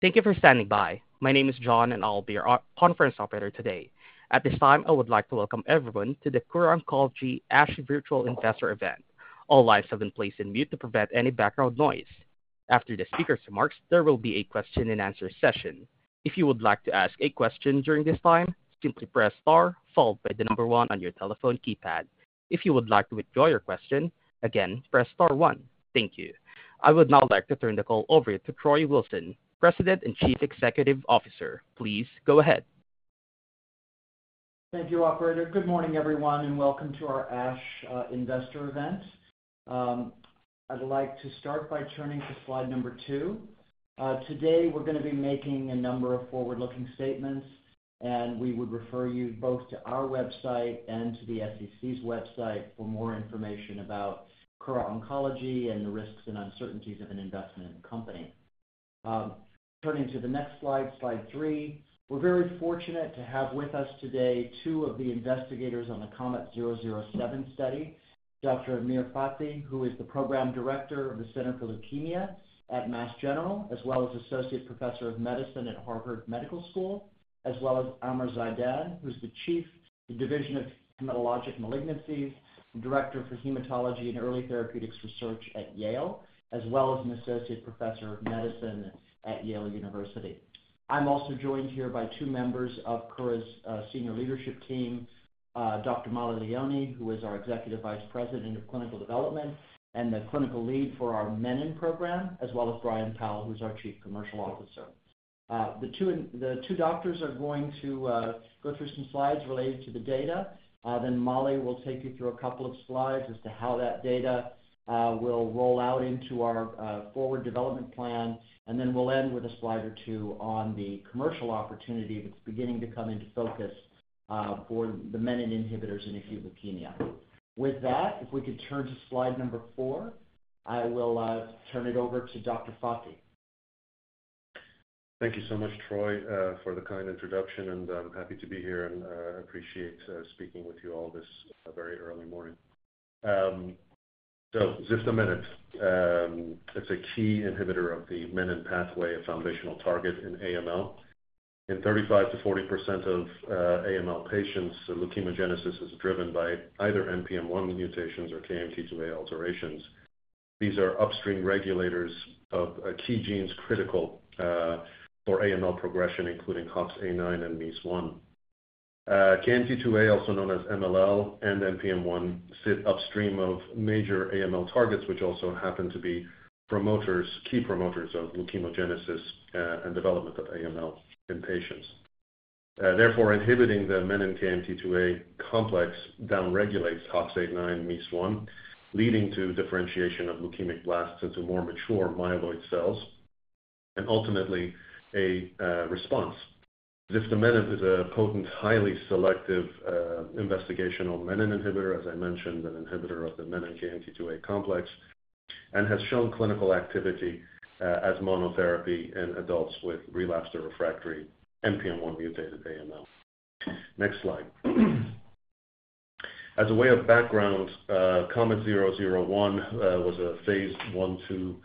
Thank you for standing by. My name is John, and I'll be your conference operator today. At this time, I would like to welcome everyone to the Kura Oncology ASH Virtual Investor Event. All lines have been placed on mute to prevent any background noise. After the speaker's remarks, there will be a question-and-answer session. If you would like to ask a question during this time, simply press star, followed by the number one on your telephone keypad. If you would like to withdraw your question, again, press star one. Thank you. I would now like to turn the call over to Troy Wilson, President and Chief Executive Officer. Please go ahead. Thank you, Operator. Good morning, everyone, and welcome to our ASH Investor Event. I'd like to start by turning to slide number two. Today, we're going to be making a number of forward-looking statements, and we would refer you both to our website and to the SEC's website for more information about Kura Oncology and the risks and uncertainties of an investment in the company. Turning to the next slide, slide three, we're very fortunate to have with us today two of the investigators on the KOMET-007 study, Dr. Amir Fathi, who is the Program Director of the Center for Leukemia at Mass General, as well as Associate Professor of Medicine at Harvard Medical School, as well as Amer Zeidan, who's the Chief of the Division of Hematologic Malignancies, Director for Hematology and Early Therapeutics Research at Yale, as well as an Associate Professor of Medicine at Yale University. I'm also joined here by two members of Kura's senior leadership team, Dr. Mollie Leoni, who is our Executive Vice President of Clinical Development and the clinical lead for our menin program, as well as Brian Powl, who's our Chief Commercial Officer. The two doctors are going to go through some slides related to the data. Then Mollie will take you through a couple of slides as to how that data will roll out into our forward development plan. And then we'll end with a slide or two on the commercial opportunity that's beginning to come into focus for the menin inhibitors in acute leukemia. With that, if we could turn to slide number four, I will turn it over to Dr. Fathi. Thank you so much, Troy, for the kind introduction. I'm happy to be here and appreciate speaking with you all this very early morning. Ziftomenib, it's a key inhibitor of the menin pathway, a foundational target in AML. In 35%-40% of AML patients, leukemogenesis is driven by either NPM1 mutations or KMT2A alterations. These are upstream regulators of key genes critical for AML progression, including HOXA9 and MEIS1. KMT2A, also known as MLL and NPM1, sit upstream of major AML targets, which also happen to be promoters, key promoters of leukemogenesis and development of AML in patients. Therefore, inhibiting the menin-KMT2A complex downregulates HOXA9/MEIS1, leading to differentiation of leukemic blasts into more mature myeloid cells and ultimately a response. Ziftomenib is a potent, highly selective investigational menin inhibitor, as I mentioned, an inhibitor of the menin-KMT2A complex, and has shown clinical activity as monotherapy in adults with relapsed or refractory NPM1-mutated AML. Next slide. As a way of background, KOMET-001 was a phase I/II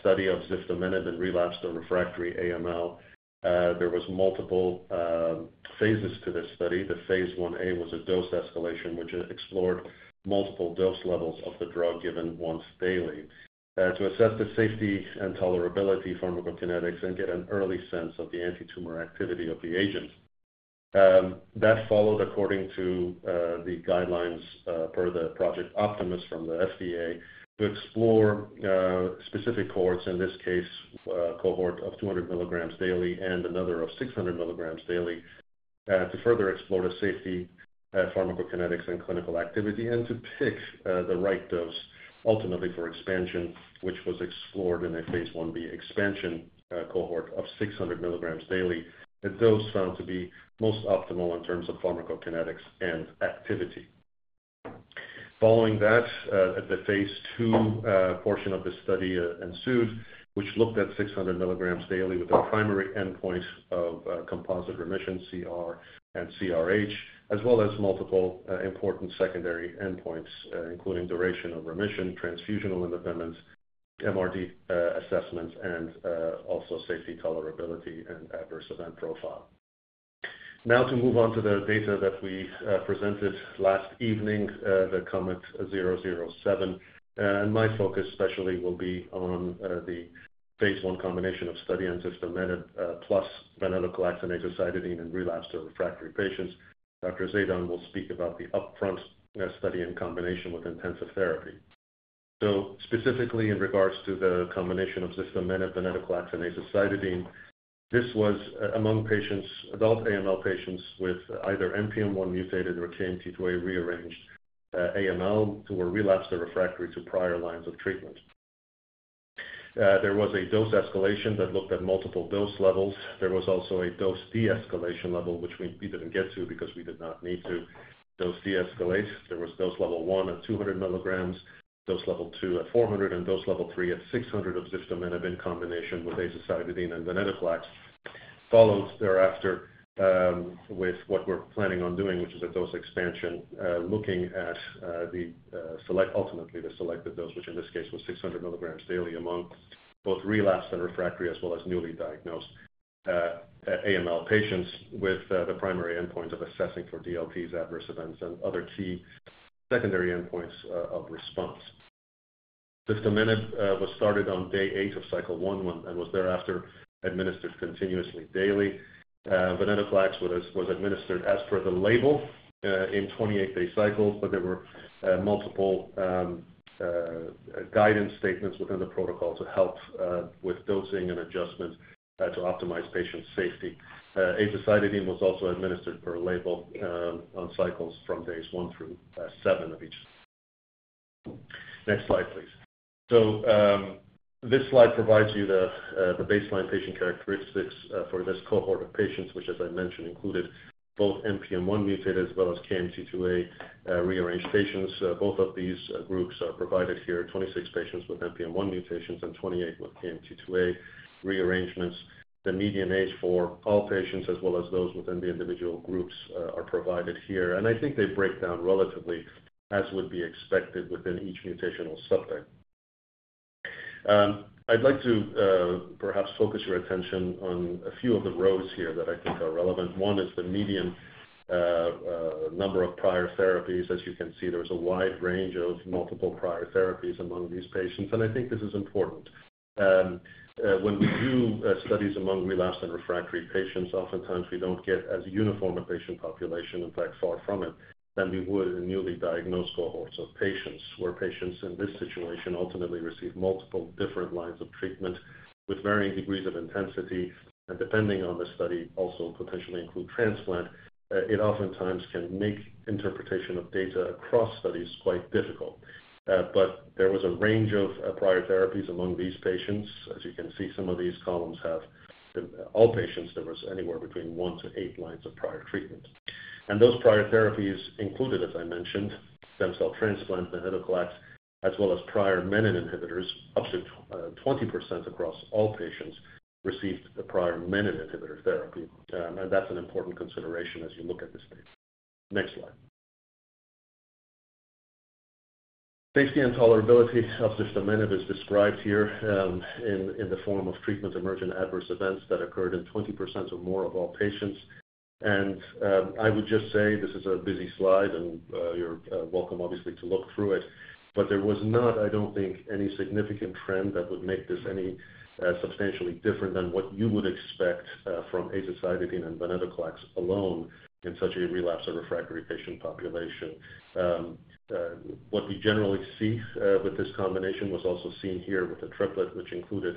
study of ziftomenib in relapsed or refractory AML. There were multiple phases to this study. The phase IA was a dose escalation, which explored multiple dose levels of the drug given once daily to assess the safety and tolerability, pharmacokinetics, and get an early sense of the anti-tumor activity of the agent. That followed according to the guidelines per the Project Optimus from the FDA to explore specific cohorts, in this case, a cohort of 200 mg daily and another of 600 mg daily, to further explore the safety of pharmacokinetics and clinical activity and to pick the right dose ultimately for expansion, which was explored in a phase IB expansion cohort of 600 mg daily, a dose found to be most optimal in terms of pharmacokinetics and activity. Following that, the phase II portion of the study ensued, which looked at 600 mg daily with a primary endpoint of composite remission, CR and CRh, as well as multiple important secondary endpoints, including duration of remission, transfusional independence, MRD assessments, and also safety, tolerability, and adverse event profile. Now, to move on to the data that we presented last evening, the KOMET-007, and my focus especially will be on the phase I combination study of ziftomenib plus venetoclax and azacitidine in relapsed or refractory patients. Dr. Zeidan will speak about the upfront study in combination with intensive therapy. Specifically, in regards to the combination of ziftomenib, venetoclax and azacitidine, this was among patients, adult AML patients with either NPM1-mutated or KMT2A-rearranged AML who were relapsed or refractory to prior lines of treatment. There was a dose escalation that looked at multiple dose levels. There was also a dose de-escalation level, which we didn't get to because we did not need to dose de-escalate. There was dose level one at 200 mg, dose level two at 400 mg, and dose level three at 600 mg of ziftomenib in combination with azacitidine and venetoclax followed thereafter with what we're planning on doing, which is a dose expansion looking at the ultimately the selected dose, which in this case was 600 mg daily among both relapsed and refractory as well as newly diagnosed AML patients with the primary endpoint of assessing for DLTs, adverse events, and other key secondary endpoints of response. Ziftomenib was started on day eight of cycle one and was thereafter administered continuously daily. Venetoclax was administered as per the label in 28-day cycles, but there were multiple guidance statements within the protocol to help with dosing and adjustment to optimize patient safety. Azacitidine was also administered per label on cycles from days one through seven of each. Next slide, please. So, this slide provides you the baseline patient characteristics for this cohort of patients, which, as I mentioned, included both NPM1-mutated as well as KMT2A-rearranged patients. Both of these groups are provided here, 26 patients with NPM1 mutations and 28 with KMT2A rearrangements. The median age for all patients as well as those within the individual groups are provided here. And I think they break down relatively as would be expected within each mutational subtype. I'd like to perhaps focus your attention on a few of the rows here that I think are relevant. One is the median number of prior therapies. As you can see, there's a wide range of multiple prior therapies among these patients. And I think this is important. When we do studies among relapsed and refractory patients, oftentimes we don't get as uniform a patient population, in fact, far from it, than we would in newly diagnosed cohorts of patients where patients in this situation ultimately receive multiple different lines of treatment with varying degrees of intensity, and depending on the study, also potentially include transplant. It oftentimes can make interpretation of data across studies quite difficult, but there was a range of prior therapies among these patients. As you can see, some of these columns have all patients. There was anywhere between one to eight lines of prior treatment, and those prior therapies included, as I mentioned, stem cell transplant, venetoclax, as well as prior menin inhibitors. Up to 20% across all patients received prior menin inhibitor therapy, and that's an important consideration as you look at this data. Next slide. Safety and tolerability of ziftomenib is described here in the form of treatment emergent adverse events that occurred in 20% or more of all patients. I would just say this is a busy slide, and you're welcome obviously to look through it. There was not, I don't think, any significant trend that would make this any substantially different than what you would expect from azacitidine and venetoclax alone in such a relapsed or refractory patient population. What we generally see with this combination was also seen here with the triplet, which included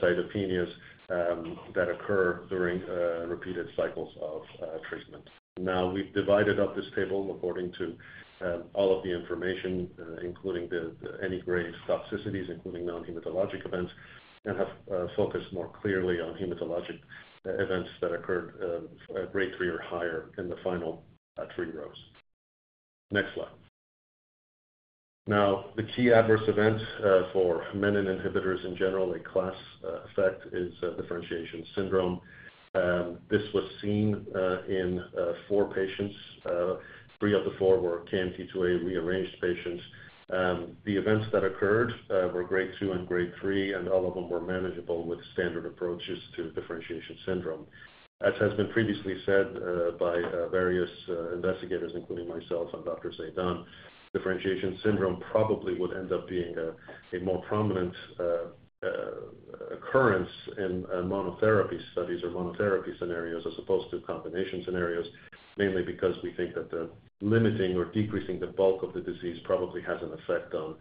cytopenias that occur during repeated cycles of treatment. Now, we've divided up this table according to all of the information, including any grade toxicities, including non-hematologic events, and have focused more clearly on hematologic events that occurred grade three or higher in the final three rows. Next slide. Now, the key adverse event for menin inhibitors in general, a class effect, is differentiation syndrome. This was seen in four patients. Three of the four were KMT2A-rearranged patients. The events that occurred were grade two and grade three, and all of them were manageable with standard approaches to differentiation syndrome. As has been previously said by various investigators, including myself and Dr. Zeidan, differentiation syndrome probably would end up being a more prominent occurrence in monotherapy studies or monotherapy scenarios as opposed to combination scenarios, mainly because we think that limiting or decreasing the bulk of the disease probably has an effect on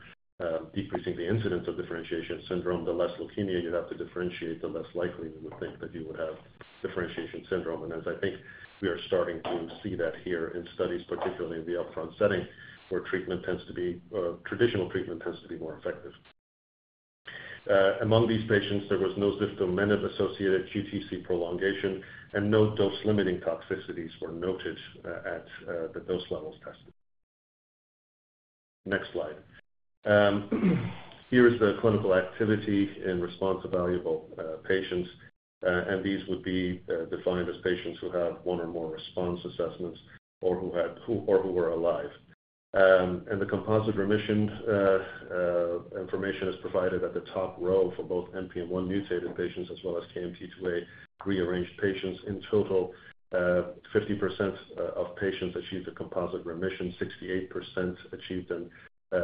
decreasing the incidence of differentiation syndrome. The less leukemia you have to differentiate, the less likely you would think that you would have differentiation syndrome. As I think we are starting to see that here in studies, particularly in the upfront setting where traditional treatment tends to be more effective. Among these patients, there was no ziftomenib-associated QTc prolongation, and no dose-limiting toxicities were noted at the dose levels tested. Next slide. Here is the clinical activity in response to evaluable patients. These would be defined as patients who have one or more response assessments or who were alive. The composite remission information is provided at the top row for both NPM1-mutated patients as well as KMT2A-rearranged patients. In total, 50% of patients achieved a composite remission, 68% achieved an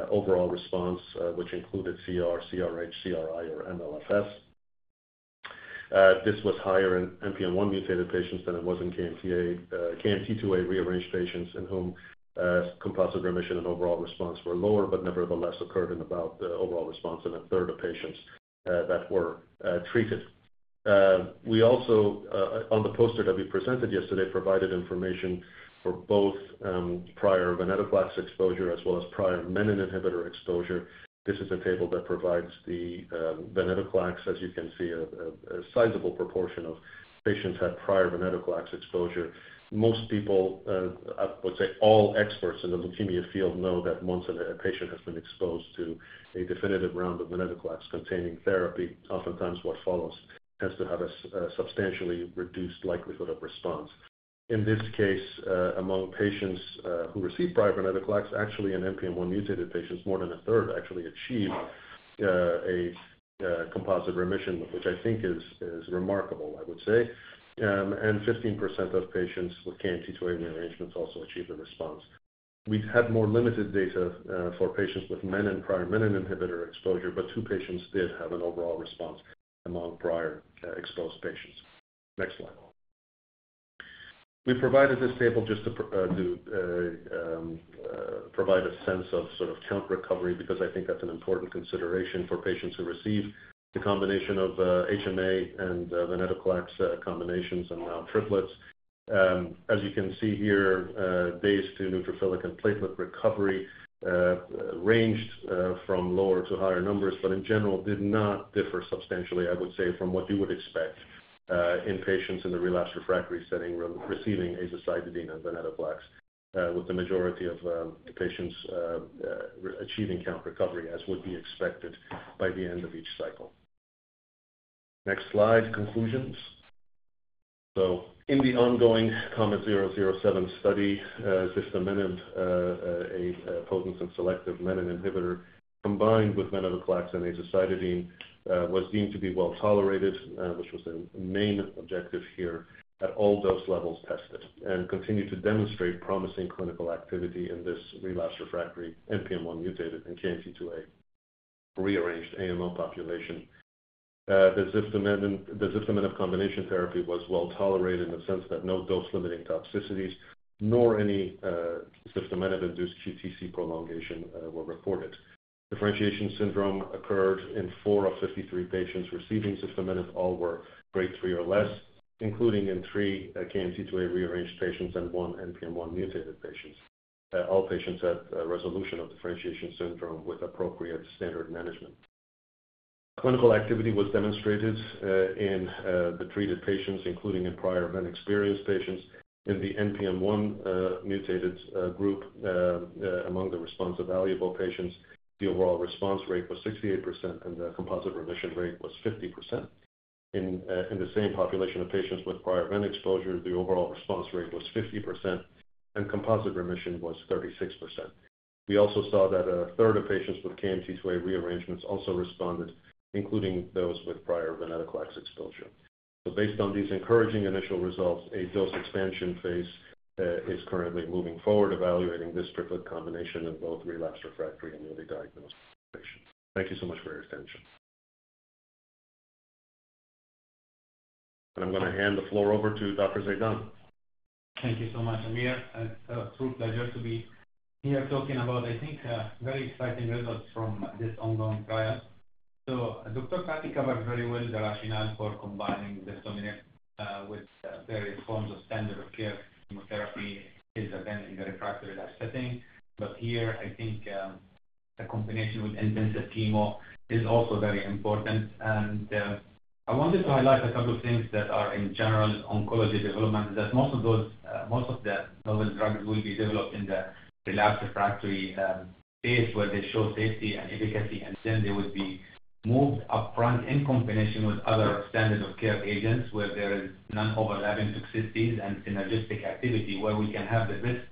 overall response, which included CR, CRh, CRi, or MLFS. This was higher in NPM1-mutated patients than it was in KMT2A-rearranged patients in whom composite remission and overall response were lower, but nevertheless occurred in about overall response in a third of patients that were treated. We also, on the poster that we presented yesterday, provided information for both prior venetoclax exposure as well as prior menin inhibitor exposure. This is a table that provides the venetoclax. As you can see, a sizable proportion of patients had prior venetoclax exposure. Most people, I would say all experts in the leukemia field, know that once a patient has been exposed to a definitive round of venetoclax-containing therapy, oftentimes what follows has to have a substantially reduced likelihood of response. In this case, among patients who received prior venetoclax, actually in NPM1-mutated patients, more than a third actually achieved a composite remission, which I think is remarkable, I would say. And 15% of patients with KMT2A rearrangements also achieved a response. We had more limited data for patients with menin prior menin inhibitor exposure, but two patients did have an overall response among prior exposed patients. Next slide. We provided this table just to provide a sense of sort of count recovery because I think that's an important consideration for patients who receive the combination of HMA and venetoclax combinations and now triplets. As you can see here, baseline to neutrophilic and platelet recovery ranged from lower to higher numbers, but in general did not differ substantially, I would say, from what you would expect in patients in the relapsed/refractory setting receiving azacitidine and venetoclax, with the majority of patients achieving count recovery as would be expected by the end of each cycle. Next slide, conclusions. In the ongoing KOMET-007 study, ziftomenib, a potent and selective menin inhibitor combined with venetoclax and azacitidine, was deemed to be well tolerated, which was the main objective here at all dose levels tested, and continued to demonstrate promising clinical activity in this relapsed/refractory NPM1-mutated and KMT2A-rearranged AML population. The ziftomenib combination therapy was well tolerated in the sense that no dose-limiting toxicities nor any ziftomenib-induced QTc prolongation were reported. Differentiation syndrome occurred in four of 53 patients receiving ziftomenib. All were grade three or less, including in three KMT2A-rearranged patients and one NPM1-mutated patient. All patients had resolution of differentiation syndrome with appropriate standard management. Clinical activity was demonstrated in the treated patients, including in prior menin-experienced patients in the NPM1-mutated group. Among the response-evaluable patients, the overall response rate was 68%, and the composite remission rate was 50%. In the same population of patients with prior menin exposure, the overall response rate was 50%, and composite remission was 36%. We also saw that a third of patients with KMT2A rearrangements also responded, including those with prior venetoclax exposure. So, based on these encouraging initial results, a dose expansion phase is currently moving forward, evaluating this triplet combination in both relapsed/refractory and newly diagnosed patients. Thank you so much for your attention. And I'm going to hand the floor over to Dr. Zeidan. Thank you so much, Amir. It's a true pleasure to be here talking about, I think, very exciting results from this ongoing trial, so Dr. Fathi covered very well the rationale for combining ziftomenib with various forms of standard of care chemotherapy in the relapsed/refractory setting, but here, I think the combination with intensive chemo is also very important, and I wanted to highlight a couple of things that are in general oncology development, that most of the novel drugs will be developed in the relapsed/refractory phase where they show safety and efficacy, and then they would be moved upfront in combination with other standard of care agents where there is non-overlapping toxicities and synergistic activity where we can have the best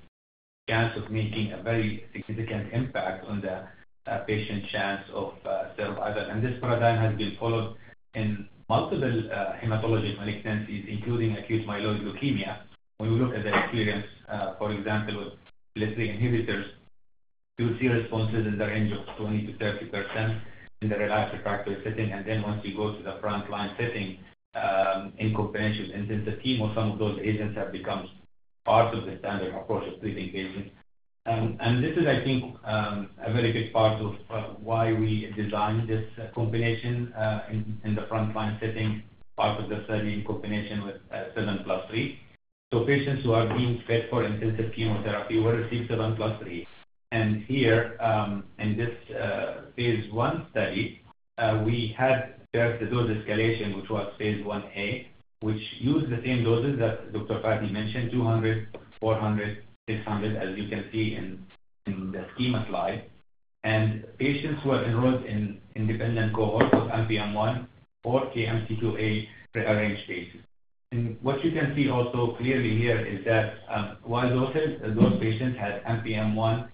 chance of making a very significant impact on the patient chance of survival. This paradigm has been followed in multiple hematologic malignancies, including acute myeloid leukemia. When we look at the experience, for example, with FLT3 inhibitors, you see responses in the range of 20%-30% in the relapsed/refractory setting. Then once you go to the frontline setting in combination with intensive chemo, some of those agents have become part of the standard approach of treating patients. This is, I think, a very big part of why we designed this combination in the frontline setting, part of the study in combination with 7+3. Patients who are being fit for intensive chemotherapy will receive 7+3. Here, in this phase I study, we had a dose escalation, which was phase IA, which used the same doses that Dr. Fathi mentioned, 200 mg, 400 mg, 600 mg, as you can see in the schema slide. Patients were enrolled in independent cohorts of NPM1 or KMT2A-rearranged patients. What you can see also clearly here is that while those patients had NPM1,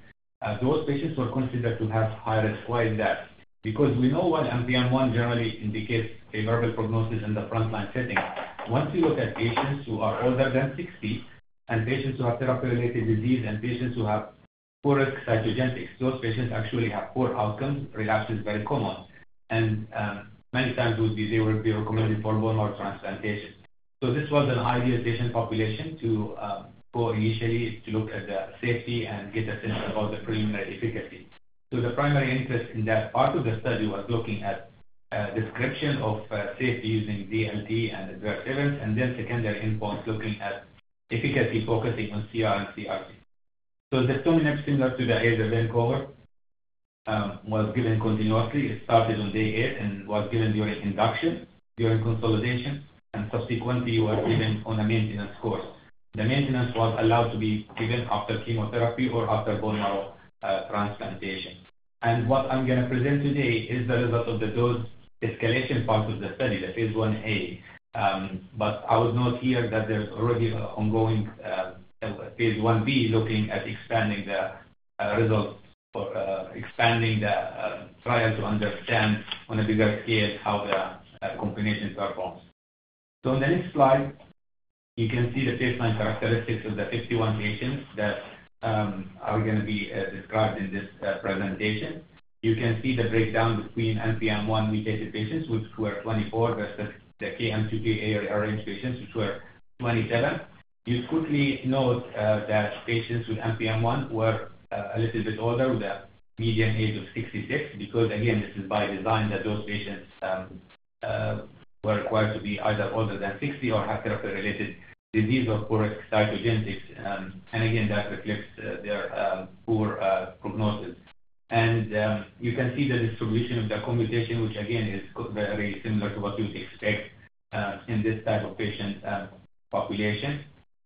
those patients were considered to have high risk. Why is that? Because we know what NPM1 generally indicates, a favorable prognosis in the frontline setting. Once you look at patients who are older than 60 and patients who have therapy-related disease and patients who have poor cytogenetics, those patients actually have poor outcomes. Relapse is very common. Many times they would be recommended for bone marrow transplantation. This was an ideal patient population to go initially to look at the safety and get a sense about the preliminary efficacy. The primary interest in that part of the study was looking at description of safety using DLT and adverse events, and then secondary endpoints looking at efficacy focusing on CR and CRc. Ziftomenib, similar to the azacitidine cohort, was given continuously. It started on day eight and was given during induction, during consolidation, and subsequently was given on a maintenance course. The maintenance was allowed to be given after chemotherapy or after bone marrow transplantation. What I'm going to present today is the result of the dose escalation part of the study, the phase IA. I would note here that there's already an ongoing phase IB looking at expanding the results or expanding the trial to understand on a bigger scale how the combination performs. On the next slide, you can see the baseline characteristics of the 51 patients that are going to be described in this presentation. You can see the breakdown between NPM1-mutated patients, which were 24, versus the KMT2A-rearranged patients, which were 27. You could notice that patients with NPM1 were a little bit older, with a median age of 66, because, again, this is by design that those patients were required to be either older than 60 or have therapy-related disease or poor cytogenetics. That reflects their poor prognosis. You can see the distribution of the co-mutation, which again is very similar to what you would expect in this type of patient population.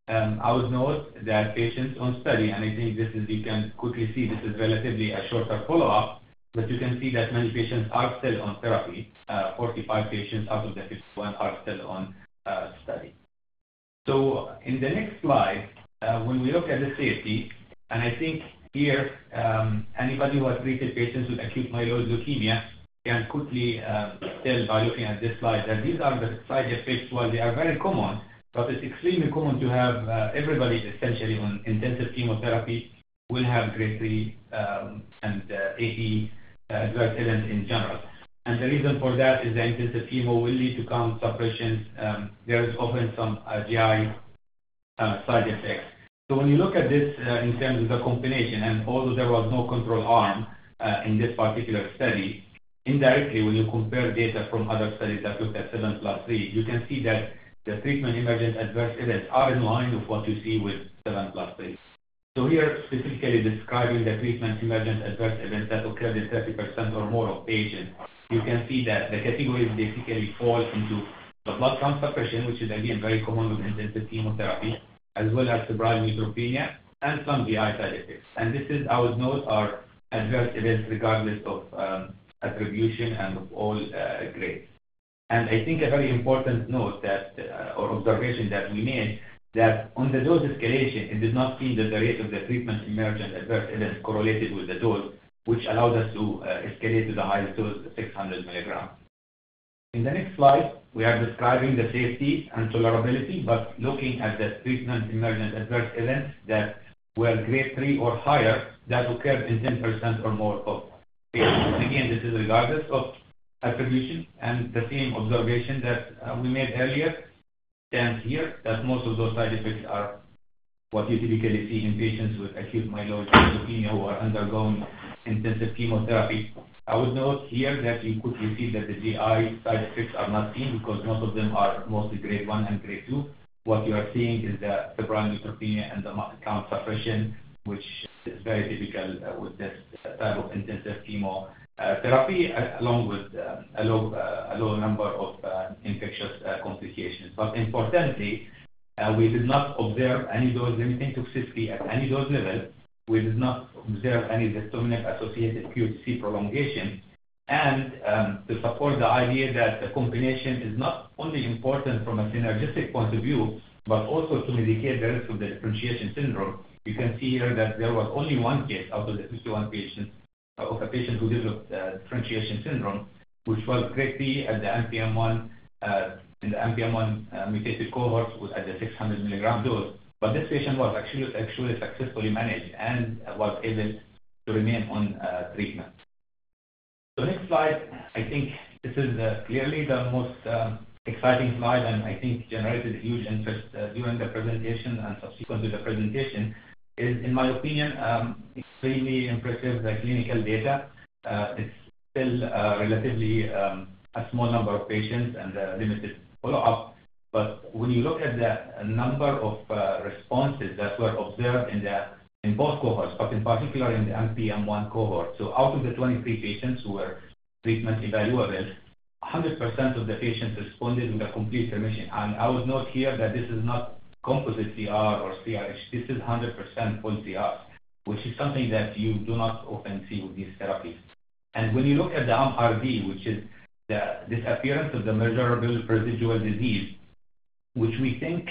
I would note that patients on study, and I think you can quickly see this is relatively a shorter follow-up, but you can see that many patients are still on therapy. 45 patients out of the 51 are still on study. So in the next slide, when we look at the safety, and I think here anybody who has treated patients with acute myeloid leukemia can quickly tell by looking at this slide that these are the side effects. While they are very common, but it's extremely common to have everybody essentially on intensive chemotherapy will have grade three and four adverse events in general, and the reason for that is that intensive chemo will lead to count suppression. There is often some GI side effects. So, when you look at this in terms of the combination, and although there was no control arm in this particular study, indirectly, when you compare data from other studies that look at 7+3, you can see that the treatment emergent adverse events are in line with what you see with 7+3. So, here specifically describing the treatment emergent adverse events that occurred in 30% or more of patients, you can see that the categories basically fall into the blood count suppression, which is again very common with intensive chemotherapy, as well as febrile neutropenia and some GI side effects. And this is, I would note, are adverse events regardless of attribution and of all grades. I think a very important note or observation that we made that on the dose escalation, it did not seem that the rate of the treatment emergent adverse events correlated with the dose, which allowed us to escalate to the highest dose, 600 mg. In the next slide, we are describing the safety and tolerability, but looking at the treatment emergent adverse events that were grade three or higher that occurred in 10% or more of patients. Again, this is regardless of attribution. The same observation that we made earlier stands here that most of those side effects are what you typically see in patients with acute myeloid leukemia who are undergoing intensive chemotherapy. I would note here that you can see that the GI side effects are not seen because most of them are mostly grade one and grade two. What you are seeing is the febrile neutropenia and the blood count suppression, which is very typical with this type of intensive chemotherapy, along with a low number of infectious complications. But importantly, we did not observe any dose-limiting toxicity at any dose level. We did not observe any ziftomenib-associated QTc prolongation. And to support the idea that the combination is not only important from a synergistic point of view, but also to mitigate the risk of the differentiation syndrome, you can see here that there was only one case out of the 51 patients of a patient who developed differentiation syndrome, which was grade three at the NPM1-mutated cohorts at the 600 mg dose. But this patient was actually successfully managed and was able to remain on treatment. So, next slide. I think this is clearly the most exciting slide, and I think generated huge interest during the presentation and subsequent to the presentation, is, in my opinion, extremely impressive clinical data. It's still relatively a small number of patients and limited follow-up. But when you look at the number of responses that were observed in both cohorts, but in particular in the NPM1 cohort, so out of the 23 patients who were treatment evaluable, 100% of the patients responded with a complete remission. And I would note here that this is not composite CR or CRh. This is 100% full CR, which is something that you do not often see with these therapies. And when you look at the MRD, which is the disappearance of the measurable residual disease, which we think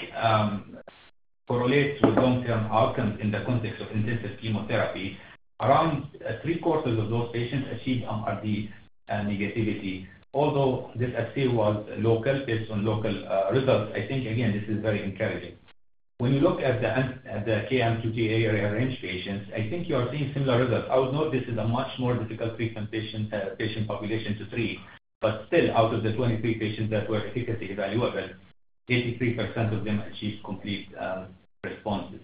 correlates with long-term outcomes in the context of intensive chemotherapy, around 3/4 of those patients achieved MRD negativity. Although this approval was local based on local results, I think, again, this is very encouraging. When you look at the KMT2A-rearranged patients, I think you are seeing similar results. I would note this is a much more difficult treatment patient population to treat, but still, out of the 23 patients that were efficacy evaluable, 83% of them achieved complete responses,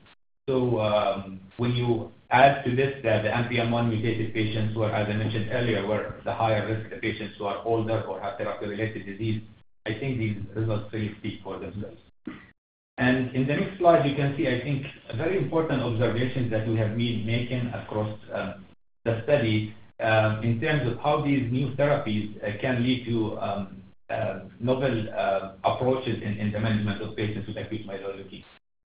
so when you add to this that the NPM1-mutated patients were, as I mentioned earlier, the higher risk, the patients who are older or have therapy-related disease, I think these results really speak for themselves, and in the next slide, you can see, I think, a very important observation that we have been making across the study in terms of how these new therapies can lead to novel approaches in the management of patients with acute myeloid leukemia.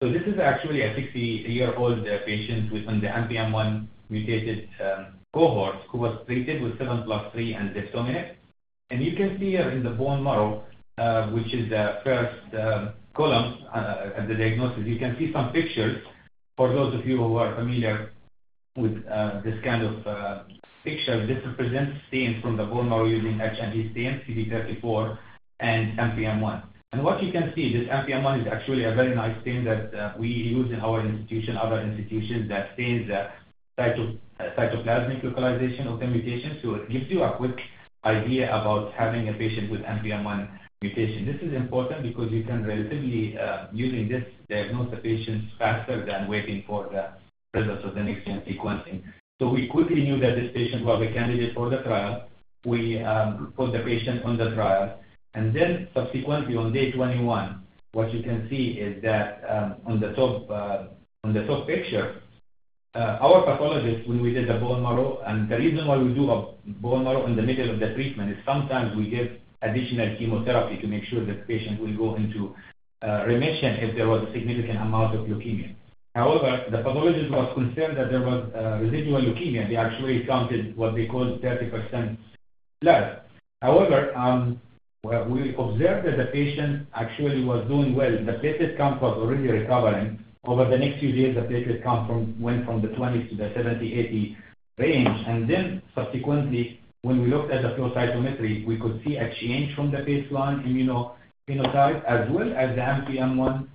This is actually a 60-year-old patient within the NPM1-mutated cohort who was treated with 7+3 and ziftomenib. And you can see here in the bone marrow, which is the first column at the diagnosis, you can see some pictures. For those of you who are familiar with this kind of picture, this represents stains from the bone marrow using H&E stains, CD34 and NPM1. And what you can see, this NPM1 is actually a very nice stain that we use in our institution, other institutions, that stains the cytoplasmic localization of the mutations. So, it gives you a quick idea about having a patient with NPM1 mutation. This is important because you can relatively, using this, diagnose the patients faster than waiting for the results of the next-gen sequencing. So, we quickly knew that this patient was a candidate for the trial. We put the patient on the trial. Then subsequently, on day 21, what you can see is that on the top picture, our pathologist, when we did the bone marrow, and the reason why we do a bone marrow in the middle of the treatment is sometimes we give additional chemotherapy to make sure that the patient will go into remission if there was a significant amount of leukemia. However, the pathologist was concerned that there was residual leukemia. They actually counted what they called 30% blast. However, we observed that the patient actually was doing well. The platelet count was already recovering. Over the next few days, the platelet count went from the 20s to the 70-80 range. Then subsequently, when we looked at the flow cytometry, we could see a change from the baseline immunophenotype, as well as the NPM1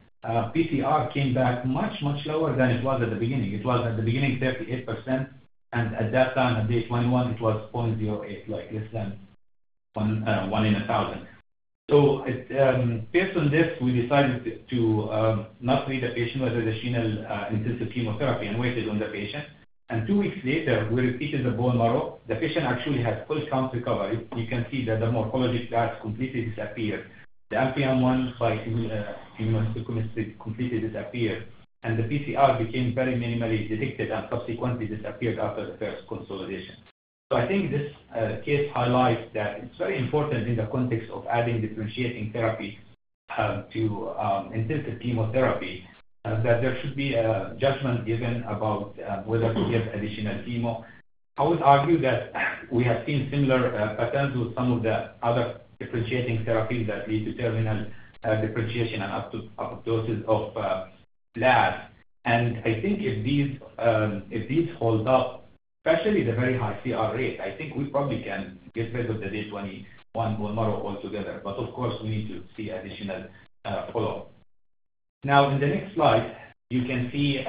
PCR came back much, much lower than it was at the beginning. It was at the beginning 38%, and at that time, at day 21, it was 0.08%, like less than 1 in 1,000. Based on this, we decided to not treat the patient with additional intensive chemotherapy and waited on the patient. Two weeks later, we repeated the bone marrow. The patient actually had full count recovery. You can see that the morphologic blasts completely disappeared. The NPM1 immunohistochemistry completely disappeared. The PCR became very minimally detected and subsequently disappeared after the first consolidation. I think this case highlights that it's very important in the context of adding differentiating therapy to intensive chemotherapy that there should be a judgment given about whether to give additional chemo. I would argue that we have seen similar patterns with some of the other differentiating therapies that lead to terminal differentiation and apoptosis of blasts. And I think if these hold up, especially the very high CR rate, I think we probably can get rid of the day 21 bone marrow altogether. But of course, we need to see additional follow-up. Now, in the next slide, you can see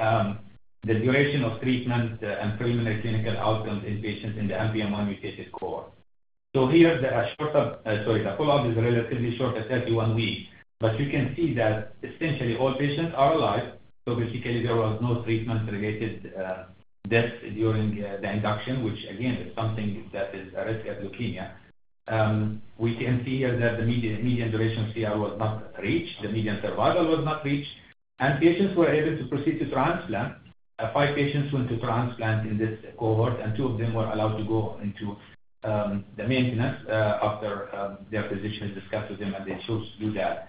the duration of treatment and preliminary clinical outcomes in patients in the NPM1-mutated cohort. Here the follow-up is relatively short at 31 weeks. But you can see that essentially all patients are alive. So, basically, there was no treatment-related death during the induction, which again is something that is a risk of leukemia. We can see here that the median duration of CR was not reached. The median survival was not reached. And patients were able to proceed to transplant. Five patients went to transplant in this cohort, and two of them were allowed to go into the maintenance after their physicians discussed with them, and they chose to do that.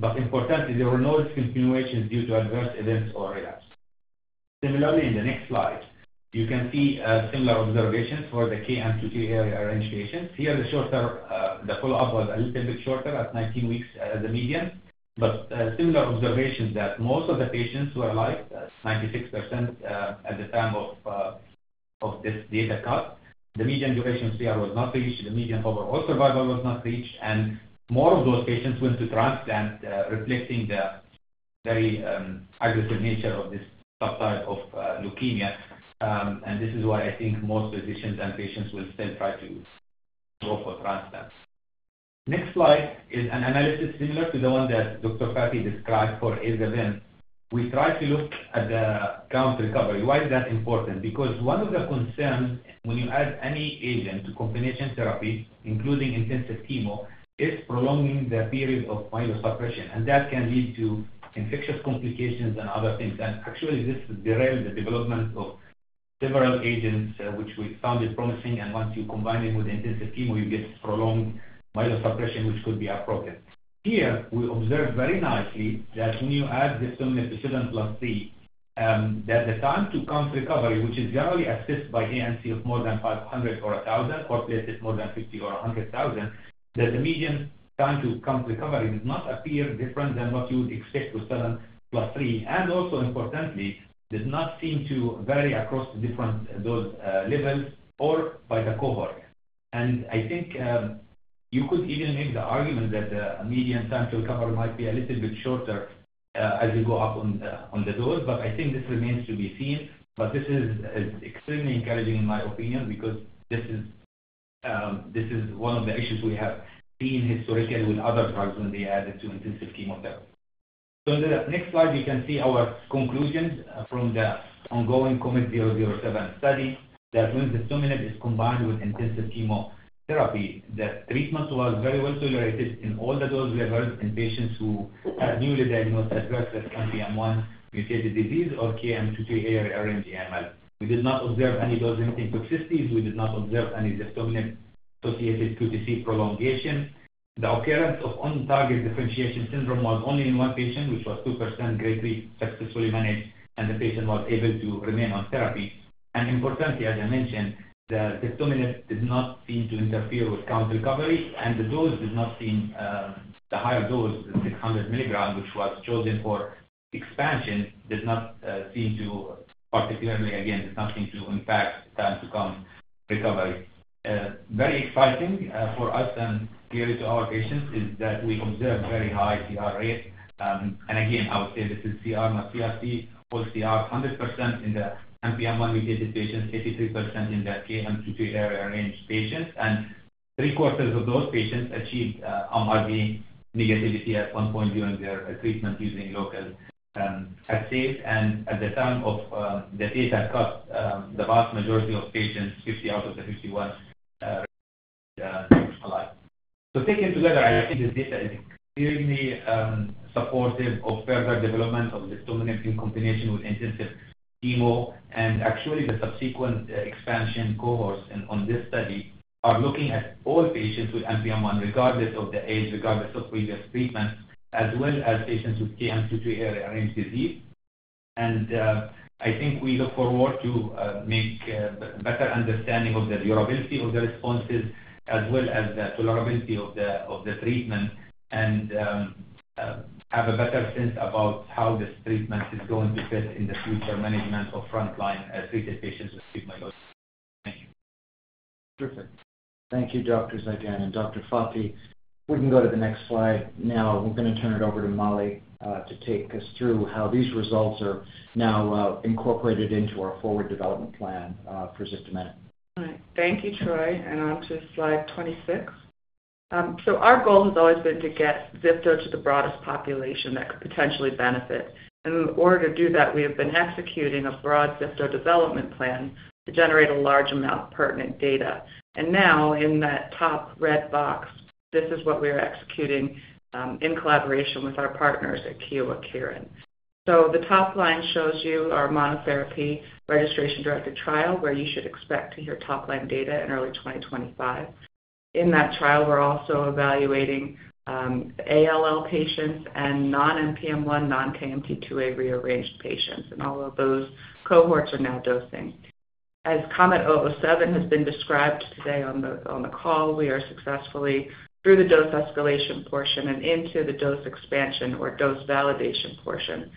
But importantly, there were no discontinuations due to adverse events or relapse. Similarly, in the next slide, you can see similar observations for the KMT2A-rearranged patients. Here, the follow-up was a little bit shorter at 19 weeks as a median. But similar observations that most of the patients were alive, 96% at the time of this data cut. The median duration of CR was not reached. The median overall survival was not reached, and more of those patients went to transplant, reflecting the very aggressive nature of this subtype of leukemia, and this is why I think most physicians and patients will still try to go for transplant. Next slide is an analysis similar to the one that Dr. Fathi described for aza/ven. We tried to look at the count recovery. Why is that important? Because one of the concerns when you add any agent to combination therapy, including intensive chemo, is prolonging the period of myelosuppression, and that can lead to infectious complications and other things, and actually, this derailed the development of several agents, which we found promising, and once you combine them with intensive chemo, you get prolonged myelosuppression, which could be a problem. Here, we observed very nicely that when you add ziftomenib to 7+3, that the time to count recovery, which is generally assisted by ANC of more than 500 or 1,000, or platelets more than 50 or 100,000, that the median time to count recovery did not appear different than what you would expect with 7+3, and also, importantly, did not seem to vary across the different dose levels or by the cohort, and I think you could even make the argument that the median time to recover might be a little bit shorter as you go up on the dose, but I think this remains to be seen, but this is extremely encouraging, in my opinion, because this is one of the issues we have seen historically with other drugs when they are added to intensive chemotherapy. In the next slide, you can see our conclusions from the ongoing KOMET-007 study that when ziftomenib is combined with intensive chemotherapy, the treatment was very well tolerated in all the dose levels in patients who had newly diagnosed adverse NPM1-mutated disease or KMT2A-rearranged AML. We did not observe any dose-limiting toxicities. We did not observe any ziftomenib-associated QTc prolongation. The occurrence of on-target differentiation syndrome was only in one patient, which was 2%, grade three, successfully managed, and the patient was able to remain on therapy. Importantly, as I mentioned, the ziftomenib did not seem to interfere with count recovery. The dose did not seem, the higher dose, 600 mg, which was chosen for expansion, to particularly, again, did not seem to impact time to count recovery. Very exciting for us and clearly to our patients is that we observed very high CR rates. And again, I would say this is CR, not CRT. All CR, 100% in the NPM1-mutated patients, 83% in the KMT2A-rearranged patients. And 3/4 of those patients achieved MRD negativity at one point during their treatment using local HSCT. And at the time of the data cut, the vast majority of patients, 50 out of the 51, were alive. So, taken together, I think this data is clearly supportive of further development of ziftomenib in combination with intensive chemo. And actually, the subsequent expansion cohorts on this study are looking at all patients with NPM1, regardless of the age, regardless of previous treatment, as well as patients with KMT2A-rearranged disease. I think we look forward to make better understanding of the durability of the responses, as well as the tolerability of the treatment, and have a better sense about how this treatment is going to fit in the future management of frontline treated patients with acute myeloid leukemia. Thank you. Perfect. Thank you, Dr. Zeidan and Dr. Fathi. We can go to the next slide now. We're going to turn it over to Mollie to take us through how these results are now incorporated into our forward development plan for ziftomenib. All right. Thank you, Troy. Onto slide 26. Our goal has always been to get ziftomenib to the broadest population that could potentially benefit. In order to do that, we have been executing a broad ziftomenib development plan to generate a large amount of pertinent data. In that top red box, this is what we are executing in collaboration with our partners at Kyowa Kirin. The top line shows you our monotherapy registration-directed trial, where you should expect to hear top-line data in early 2025. In that trial, we're also evaluating ALL patients and non-NPM1, non-KMT2A-rearranged patients. All of those cohorts are now dosing. As KOMET-007 has been described today on the call, we are successfully through the dose escalation portion and into the dose expansion or dose validation portion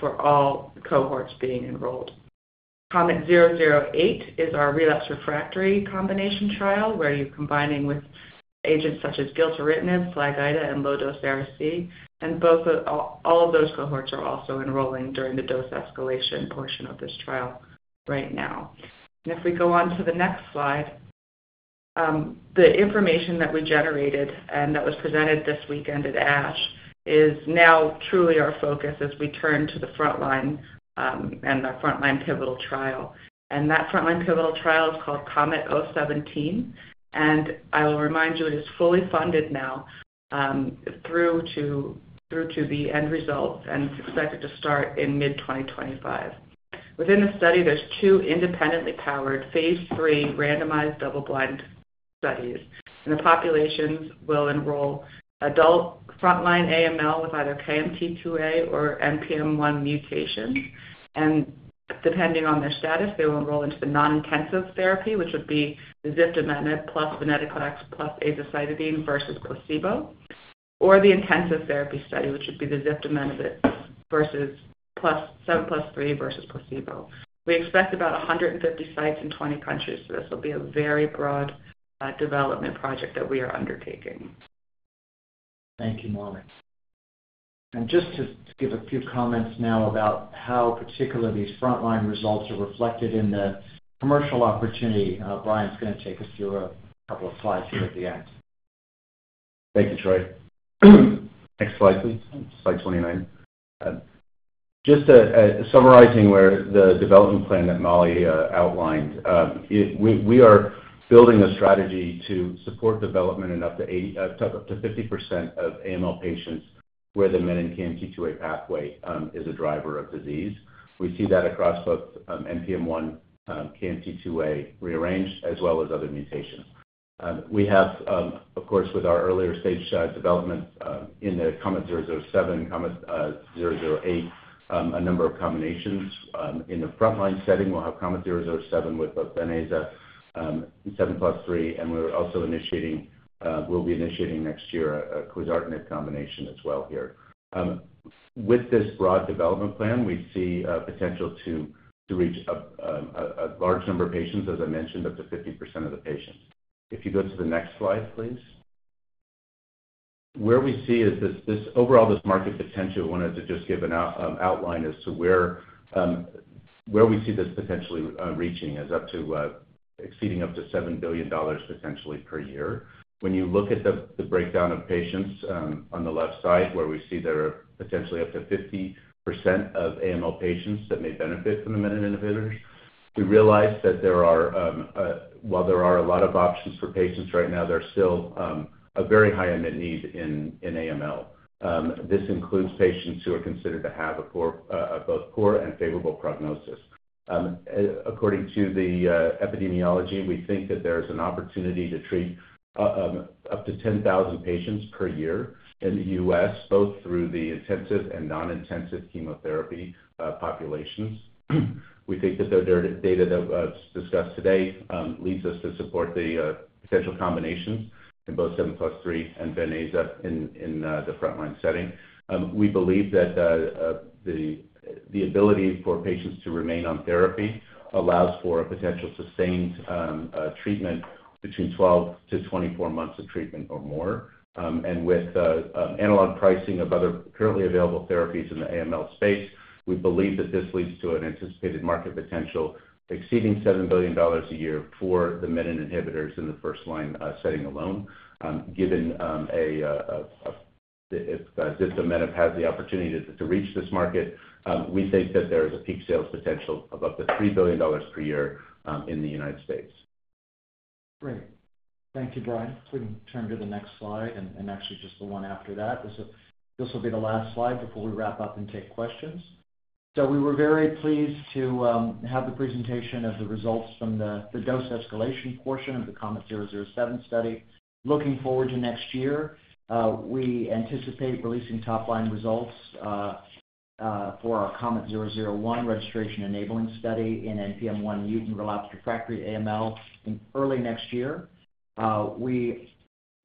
for all cohorts being enrolled. KOMET-008 is our relapsed/refractory combination trial, where you're combining with agents such as gilteritinib, FLAG-IDA, and low-dose AC. All of those cohorts are also enrolling during the dose escalation portion of this trial right now. And if we go on to the next slide, the information that we generated and that was presented this weekend at ASH is now truly our focus as we turn to the frontline and our frontline pivotal trial. And that frontline pivotal trial is called KOMET-017. And I will remind you, it is fully funded now through to the end results and expected to start in mid-2025. Within the study, there's two independently powered phase III randomized double-blind studies. And the populations will enroll adult frontline AML with either KMT2A or NPM1 mutations. And depending on their status, they will enroll into the non-intensive therapy, which would be the ziftomenib + venetoclax + azacitidine versus placebo, or the intensive therapy study, which would be the ziftomenib versus 7+3 versus placebo. We expect about 150 sites in 20 countries. This will be a very broad development project that we are undertaking. Thank you, Mollie. And just to give a few comments now about how particular these frontline results are reflected in the commercial opportunity, Brian's going to take us through a couple of slides here at the end. Thank you, Troy. Next slide, please. Slide 29. Just summarizing the development plan that Mollie outlined, we are building a strategy to support development in up to 50% of AML patients where the menin and KMT2A pathway is a driver of disease. We see that across both NPM1, KMT2A-rearranged, as well as other mutations. We have, of course, with our earlier stage development in the KOMET-007, KOMET-008, a number of combinations. In the frontline setting, we'll have KOMET-007 with both ven/aza 7+3. We're also initiating, we'll be initiating next year a quizartinib combination as well here. With this broad development plan, we see potential to reach a large number of patients, as I mentioned, up to 50% of the patients. If you go to the next slide, please. Where we see is this overall, this market potential, I wanted to just give an outline as to where we see this potentially reaching is exceeding up to $7 billion potentially per year. When you look at the breakdown of patients on the left side, where we see there are potentially up to 50% of AML patients that may benefit from the menin inhibitors, we realize that while there are a lot of options for patients right now, there's still a very high unmet need in AML. This includes patients who are considered to have both poor and favorable prognosis. According to the epidemiology, we think that there is an opportunity to treat up to 10,000 patients per year in the U.S., both through the intensive and non-intensive chemotherapy populations. We think that the data that was discussed today leads us to support the potential combinations in both 7+3 and ven/aza in the frontline setting. We believe that the ability for patients to remain on therapy allows for a potential sustained treatment between 12 to 24 months of treatment or more. With analog pricing of other currently available therapies in the AML space, we believe that this leads to an anticipated market potential exceeding $7 billion a year for the menin inhibitors in the first-line setting alone. Given if ziftomenib has the opportunity to reach this market, we think that there is a peak sales potential of up to $3 billion per year in the United States. Great. Thank you, Brian. We can turn to the next slide and actually just the one after that. This will be the last slide before we wrap up and take questions. So, we were very pleased to have the presentation of the results from the dose escalation portion of the KOMET-007 study. Looking forward to next year, we anticipate releasing top-line results for our KOMET-001 registration-enabling study in NPM1-mutant relapsed/refractory AML in early next year. We,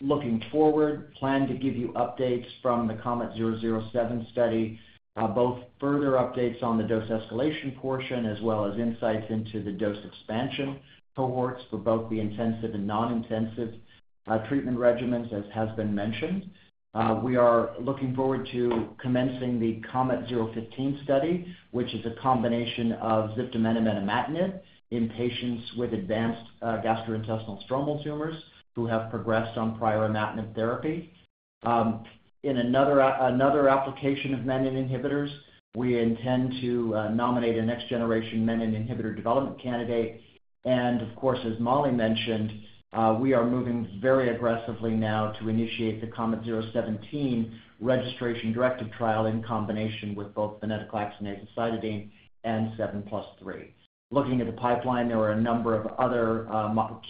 looking forward, plan to give you updates from the KOMET-007 study, both further updates on the dose escalation portion as well as insights into the dose expansion cohorts for both the intensive and non-intensive treatment regimens, as has been mentioned. We are looking forward to commencing the KOMET-015 study, which is a combination of ziftomenib and imatinib in patients with advanced gastrointestinal stromal tumors who have progressed on prior imatinib therapy. In another application of menin inhibitors, we intend to nominate a next-generation menin inhibitor development candidate, and of course, as Mollie mentioned, we are moving very aggressively now to initiate the KOMET-017 registration-directed trial in combination with both venetoclax/azacitidine and 7+3. Looking at the pipeline, there are a number of other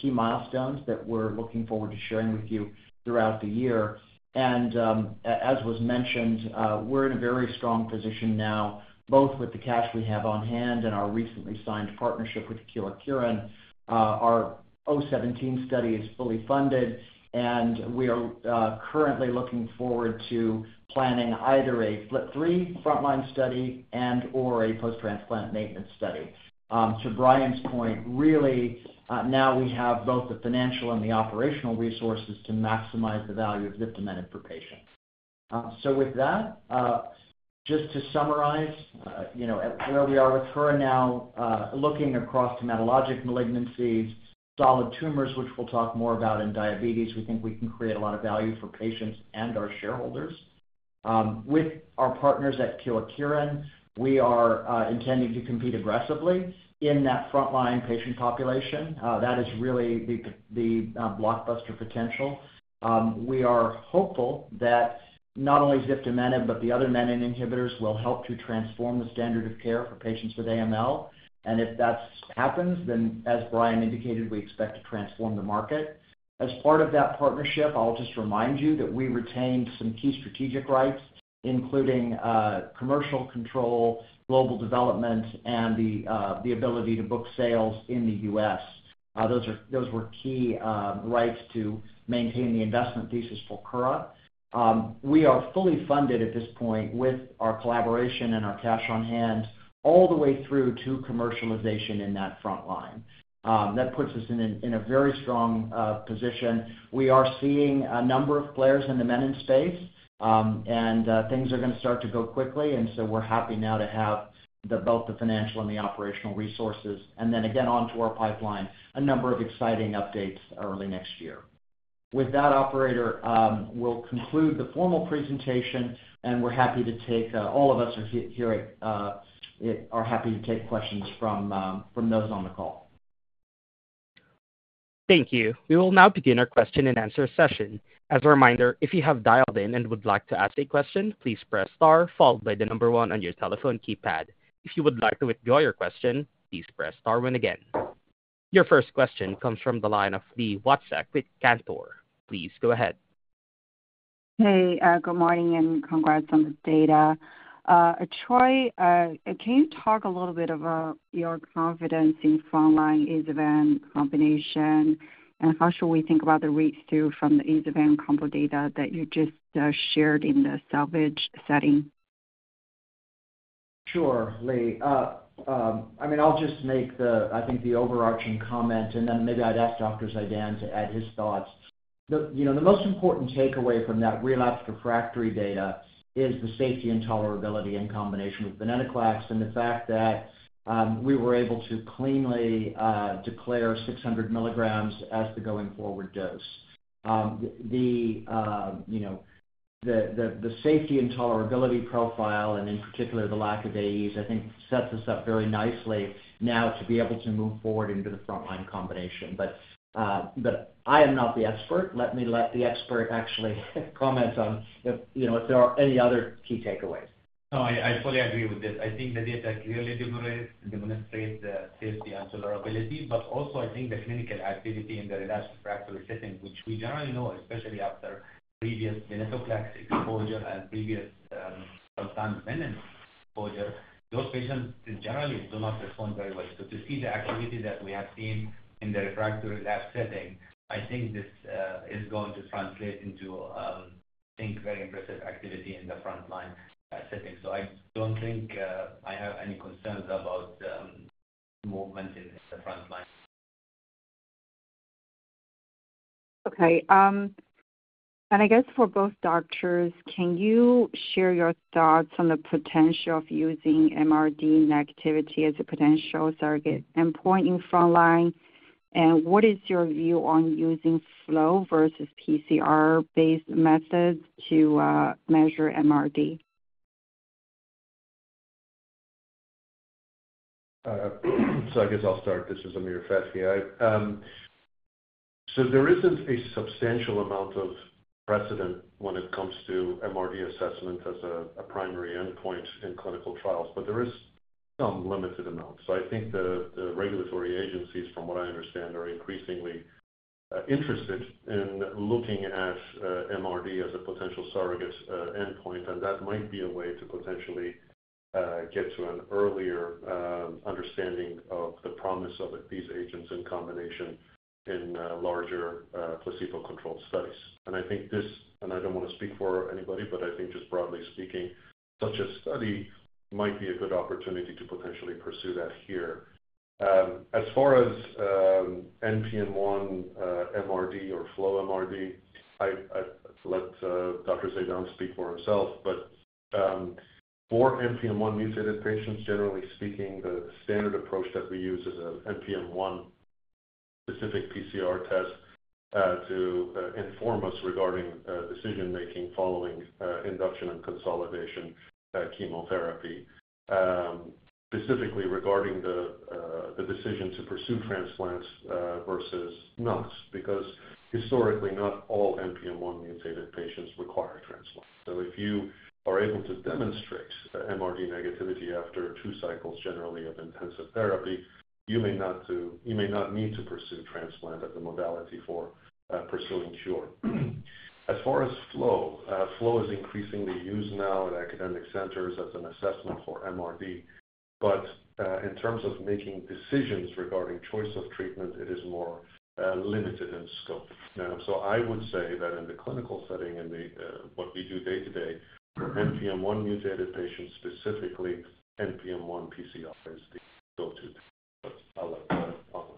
key milestones that we're looking forward to sharing with you throughout the year. As was mentioned, we're in a very strong position now, both with the cash we have on hand and our recently signed partnership with Kyowa Kirin. Our 017 study is fully funded. We are currently looking forward to planning either a FLT3 frontline study and/or a post-transplant maintenance study. To Brian's point, really, now we have both the financial and the operational resources to maximize the value of ziftomenib per patient. With that, just to summarize, where we are with Troy now, looking across hematologic malignancies, solid tumors, which we'll talk more about, and diabetes, we think we can create a lot of value for patients and our shareholders. With our partners at Kyowa Kirin, we are intending to compete aggressively in that frontline patient population. That is really the blockbuster potential. We are hopeful that not only ziftomenib, but the other menin inhibitors will help to transform the standard of care for patients with AML, and if that happens, then, as Brian indicated, we expect to transform the market. As part of that partnership, I'll just remind you that we retained some key strategic rights, including commercial control, global development, and the ability to book sales in the U.S. Those were key rights to maintain the investment thesis for Kura. We are fully funded at this point with our collaboration and our cash on hand all the way through to commercialization in that frontline. That puts us in a very strong position. We are seeing a number of players in the menin space, and things are going to start to go quickly. So, we're happy now to have both the financial and the operational resources. Then, again, onto our pipeline, a number of exciting updates early next year. With that, Operator, we'll conclude the formal presentation. We're happy to take, all of us here are happy to take questions from those on the call. Thank you. We will now begin our question-and-answer session. As a reminder, if you have dialed in and would like to ask a question, please press star, followed by the number one on your telephone keypad. If you would like to withdraw your question, please press star two again. Your first question comes from the line of Li Watsek with Cantor Fitzgerald. Please go ahead. Hey, good morning and congrats on the data. Troy, can you talk a little bit about your confidence in frontline aza/ven combination? And how should we think about the read-through from the aza/ven combo data that you just shared in the salvage setting? Sure, Li. I mean, I'll just make the, I think, the overarching comment, and then maybe I'd ask Dr. Zeidan to add his thoughts. The most important takeaway from that relapsed/refractory data is the safety and tolerability in combination with venetoclax and the fact that we were able to cleanly declare 600 mg as the going forward dose. The safety and tolerability profile, and in particular, the lack of AEs, I think, sets us up very nicely now to be able to move forward into the frontline combination. But I am not the expert. Let me let the expert actually comment on if there are any other key takeaways. No, I fully agree with this. I think the data clearly demonstrates the safety and tolerability, but also, I think, the clinical activity in the relapsed/refractory setting, which we generally know, especially after previous venetoclax exposure, previous menin exposure, those patients generally do not respond very well. So, to see the activity that we have seen in the relapsed/refractory setting, I think this is going to translate into, I think, very impressive activity in the frontline setting. So, I don't think I have any concerns about movement in the frontline. Okay. And I guess for both doctors, can you share your thoughts on the potential of using MRD negativity as a potential target endpoint in frontline? And what is your view on using flow versus PCR-based methods to measure MRD? So, I guess I'll start. This is Amir Fathi. So, there isn't a substantial amount of precedent when it comes to MRD assessment as a primary endpoint in clinical trials, but there is some limited amount. So, I think the regulatory agencies, from what I understand, are increasingly interested in looking at MRD as a potential surrogate endpoint, and that might be a way to potentially get to an earlier understanding of the promise of these agents in combination in larger placebo-controlled studies. And I think this, and I don't want to speak for anybody, but I think just broadly speaking, such a study might be a good opportunity to potentially pursue that here. As far as NPM1 MRD or flow MRD, I let Dr. Zeidan speak for himself. But for NPM1-mutated patients, generally speaking, the standard approach that we use is an NPM1-specific PCR test to inform us regarding decision-making following induction and consolidation chemotherapy, specifically regarding the decision to pursue transplants versus not, because historically, not all NPM1-mutated patients require transplant. So, if you are able to demonstrate MRD negativity after two cycles, generally, of intensive therapy, you may not need to pursue transplant as a modality for pursuing cure. As far as flow, flow is increasingly used now at academic centers as an assessment for MRD. But in terms of making decisions regarding choice of treatment, it is more limited in scope. So, I would say that in the clinical setting, in what we do day-to-day, for NPM1-mutated patients specifically, NPM1 PCR is the go-to. But I'll let Amer follow.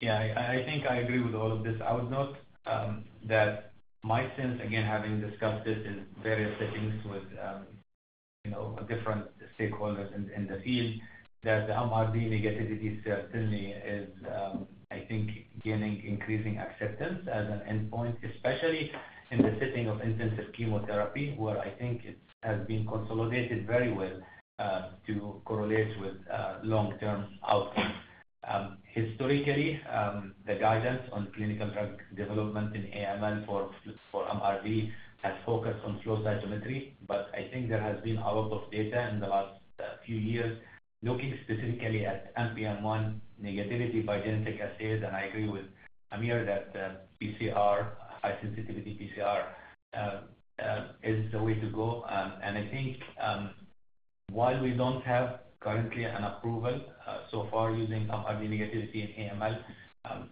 Yeah, I think I agree with all of this. I would note that my sense, again, having discussed this in various settings with different stakeholders in the field, that the MRD negativity certainly is, I think, gaining increasing acceptance as an endpoint, especially in the setting of intensive chemotherapy, where I think it has been consolidated very well to correlate with long-term outcomes. Historically, the guidance on clinical drug development in AML for MRD has focused on flow cytometry. But I think there has been a lot of data in the last few years looking specifically at NPM1 negativity by genetic assays. And I agree with Amir that high-sensitivity PCR is the way to go. And I think while we don't have currently an approval so far using MRD negativity in AML,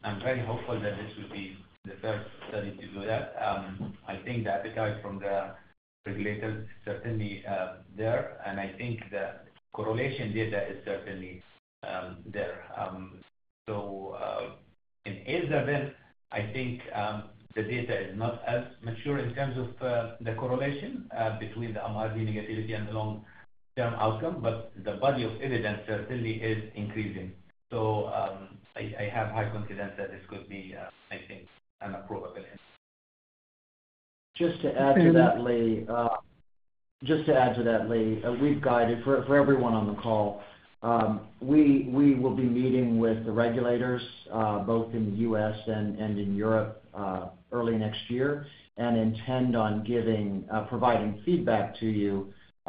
I'm very hopeful that this would be the first study to do that. I think the appetite from the regulators is certainly there. And I think the correlation data is certainly there. So, in aza/ven, I think the data is not as mature in terms of the correlation between the MRD negativity and the long-term outcome, but the body of evidence certainly is increasing. So, I have high confidence that this could be, I think, an approvable endpoint. Just to add to that, Li. We've guided for everyone on the call, we will be meeting with the regulators, both in the U.S. and in Europe, early next year, and intend on providing feedback to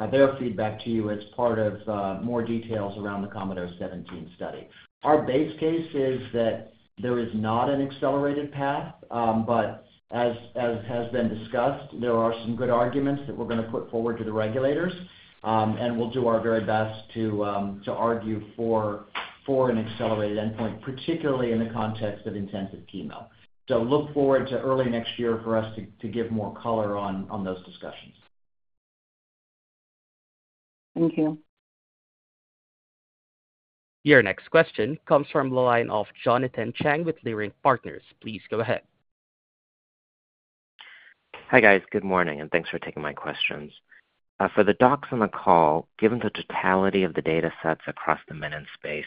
you, their feedback to you as part of more details around the KOMET-017 study. Our base case is that there is not an accelerated path, but as has been discussed, there are some good arguments that we're going to put forward to the regulators. We'll do our very best to argue for an accelerated endpoint, particularly in the context of intensive chemo. Look forward to early next year for us to give more color on those discussions. Thank you. Your next question comes from the line of Jonathan Chang with Leerink Partners. Please go ahead. Hi guys. Good morning, and thanks for taking my questions. For the docs on the call, given the totality of the data sets across the menin space,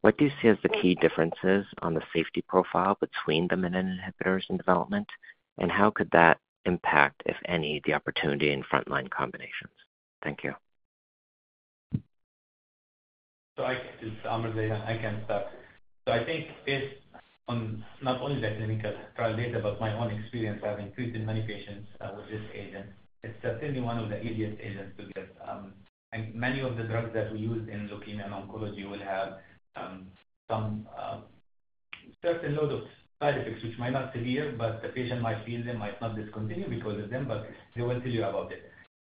what do you see as the key differences on the safety profile between the menin inhibitors in development? And how could that impact, if any, the opportunity in frontline combinations? Thank you. Hi, it's Amer Zeidan, I can start. I think based on not only the clinical trial data, but my own experience having treated many patients with this agent, it's certainly one of the easiest agents to get. And many of the drugs that we use in leukemia and oncology will have some certain load of side effects, which might not be severe, but the patient might feel them, might not discontinue because of them, but they will tell you about it.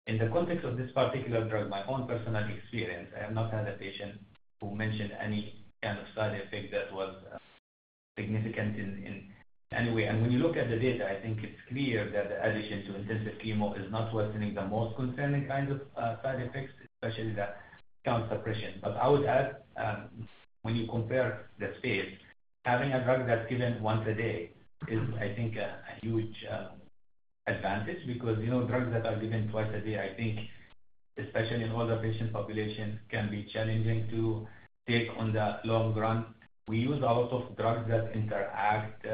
In the context of this particular drug, my own personal experience, I have not had a patient who mentioned any kind of side effect that was significant in any way. And when you look at the data, I think it's clear that the addition to intensive chemo is not worsening the most concerning kinds of side effects, especially the cytopenias. But I would add, when you compare the space, having a drug that's given once a day is, I think, a huge advantage because drugs that are given twice a day, I think, especially in older patient population, can be challenging to take in the long run. We use a lot of drugs that interact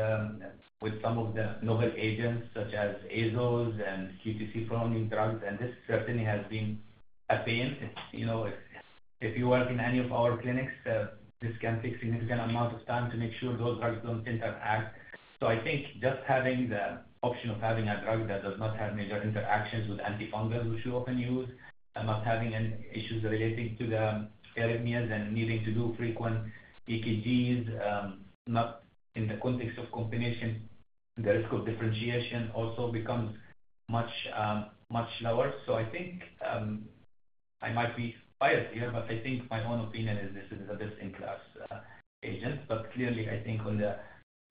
with some of the novel agents, such as azoles and QTc-promoting drugs. And this certainly has been a pain. If you work in any of our clinics, this can take a significant amount of time to make sure those drugs don't interact. So, I think just having the option of having a drug that does not have major interactions with antifungals, which we often use, and not having any issues relating to the arrhythmias and needing to do frequent EKGs, not in the context of combination, the risk of differentiation syndrome also becomes much lower. I think I might be biased here, but I think my own opinion is this is the best-in-class agent. But clearly, I think on the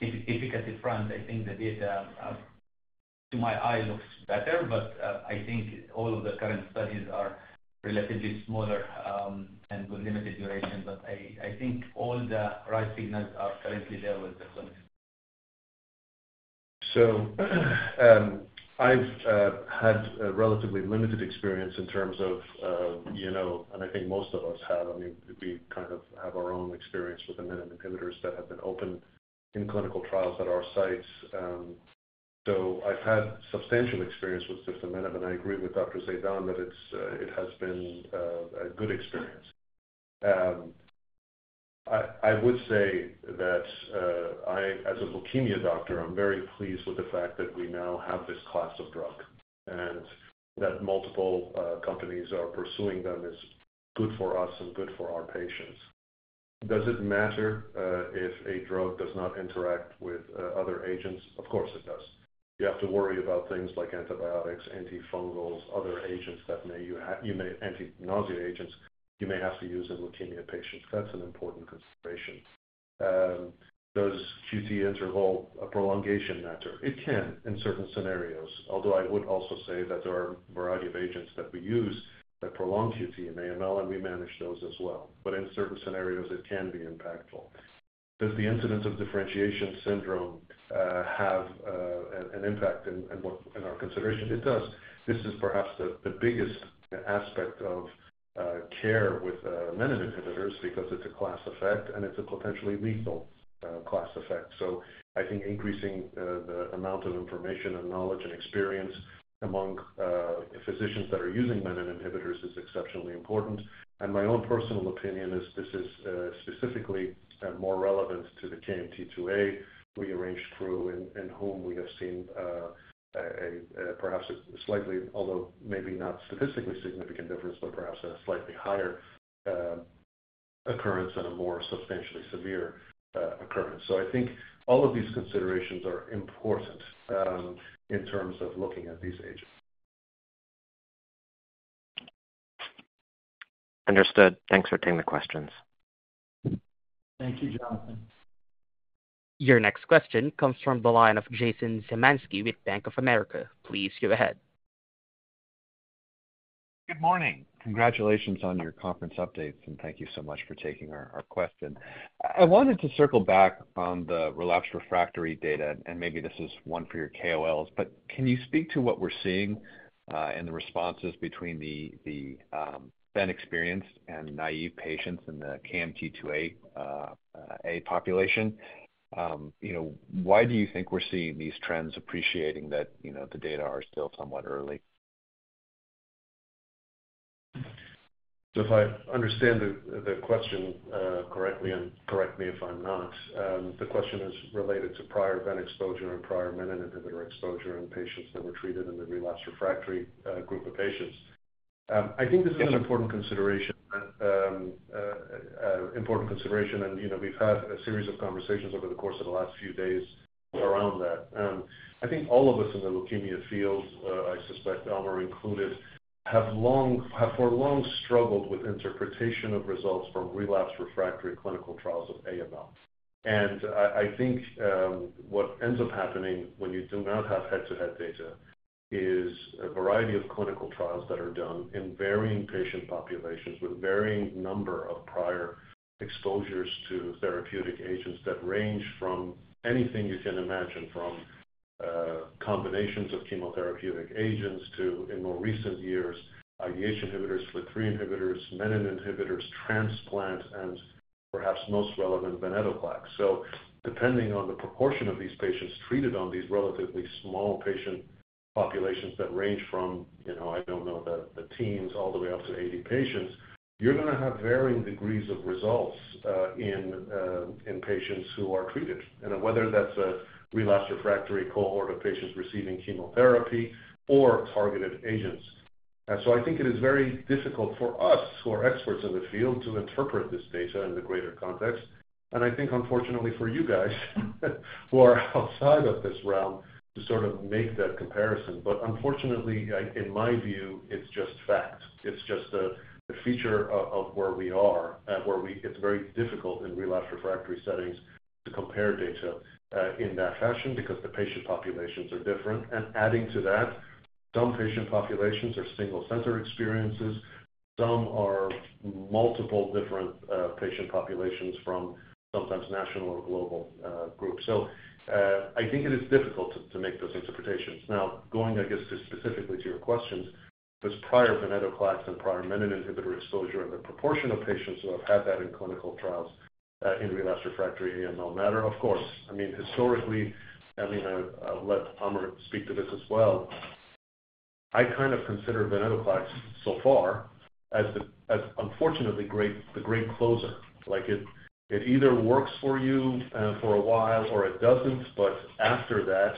efficacy front, I think the data to my eye looks better, but I think all of the current studies are relatively smaller and with limited duration. But I think all the right signals are currently there with the clinics. So, I've had a relatively limited experience in terms of, and I think most of us have. I mean, we kind of have our own experience with the menin inhibitors that have been open in clinical trials at our sites. So, I've had substantial experience with ziftomenib, and I agree with Dr. Zeidan that it has been a good experience. I would say that I, as a leukemia doctor, I'm very pleased with the fact that we now have this class of drug and that multiple companies are pursuing them as good for us and good for our patients. Does it matter if a drug does not interact with other agents? Of course, it does. You have to worry about things like antibiotics, antifungals, other agents, anti-nausea agents you may have to use in leukemia patients. That's an important consideration. Does QT interval prolongation matter? It can in certain scenarios, although I would also say that there are a variety of agents that we use that prolong QT in AML, and we manage those as well. But in certain scenarios, it can be impactful. Does the incidence of differentiation syndrome have an impact in our consideration? It does. This is perhaps the biggest aspect of care with menin inhibitors because it's a class effect, and it's a potentially lethal class effect. So, I think increasing the amount of information and knowledge and experience among physicians that are using menin inhibitors is exceptionally important. And my own personal opinion is this is specifically more relevant to the KMT2A-rearranged AML, in whom we have seen a perhaps a slightly, although maybe not statistically significant difference, but perhaps a slightly higher occurrence and a more substantially severe occurrence. So, I think all of these considerations are important in terms of looking at these agents. Understood. Thanks for taking the questions. Thank you, Jonathan. Your next question comes from the line of Jason Zemansky with Bank of America. Please go ahead. Good morning. Congratulations on your conference updates and thank you so much for taking our question. I wanted to circle back on the relapsed/ refractory data, and maybe this is one for your KOLs, but can you speak to what we're seeing in the responses between the menin-experienced and naive patients in the KMT2A population? Why do you think we're seeing these trends, appreciating that the data are still somewhat early? So, if I understand the question correctly, and correct me if I'm not, the question is related to prior ven exposure and prior menin inhibitor exposure in patients that were treated in the relapsed/refractory group of patients. I think this is an important consideration, and we've had a series of conversations over the course of the last few days around that. I think all of us in the leukemia field, I suspect Amer included, have long struggled with interpretation of results from relapsed/refractory clinical trials of AML. And I think what ends up happening when you do not have head-to-head data is a variety of clinical trials that are done in varying patient populations with varying number of prior exposures to therapeutic agents that range from anything you can imagine, from combinations of chemotherapeutic agents to, in more recent years, IDH inhibitors, FLT3 inhibitors, menin inhibitors, transplant, and perhaps most relevant, venetoclax. So, depending on the proportion of these patients treated on these relatively small patient populations that range from, I don't know, the teens all the way up to 80 patients, you're going to have varying degrees of results in patients who are treated, whether that's a relapsed/refractory cohort of patients receiving chemotherapy or targeted agents. So, I think it is very difficult for us, who are experts in the field, to interpret this data in the greater context. And I think, unfortunately, for you guys who are outside of this realm to sort of make that comparison. but unfortunately, in my view, it's just fact. It's just a feature of where we are, and it's very difficult in relapsed/refractory settings to compare data in that fashion because the patient populations are different. and adding to that, some patient populations are single-center experiences. Some are multiple different patient populations from sometimes national or global groups. So, I think it is difficult to make those interpretations. Now, going, I guess, specifically to your questions, this prior venetoclax and prior menin inhibitor exposure and the proportion of patients who have had that in clinical trials in relapsed/refractory AML matter, of course. I mean, historically, I mean, I'll let Amir speak to this as well. I kind of consider venetoclax so far as, unfortunately, the great closer. It either works for you for a while or it doesn't, but after that,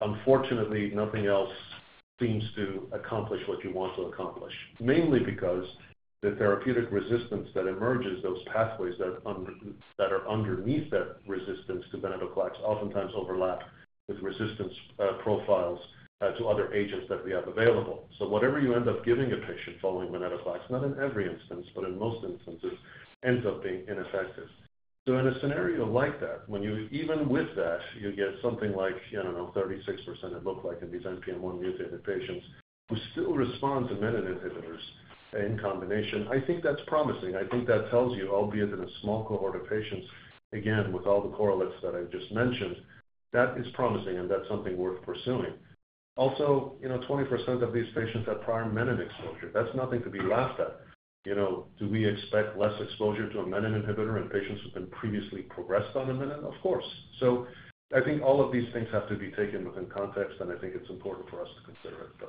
unfortunately, nothing else seems to accomplish what you want to accomplish, mainly because the therapeutic resistance that emerges, those pathways that are underneath that resistance to venetoclax oftentimes overlap with resistance profiles to other agents that we have available. So, whatever you end up giving a patient following venetoclax, not in every instance, but in most instances, ends up being ineffective. So, in a scenario like that, when you even with that, you get something like, I don't know, 36% it looked like in these NPM1-mutated patients who still respond to menin inhibitors in combination, I think that's promising. I think that tells you, albeit in a small cohort of patients, again, with all the correlates that I just mentioned, that is promising, and that's something worth pursuing. Also, 20% of these patients have prior menin exposure. That's nothing to be laughed at. Do we expect less exposure to a menin inhibitor in patients who have been previously progressed on a menin? Of course. So, I think all of these things have to be taken within context, and I think it's important for us to consider it.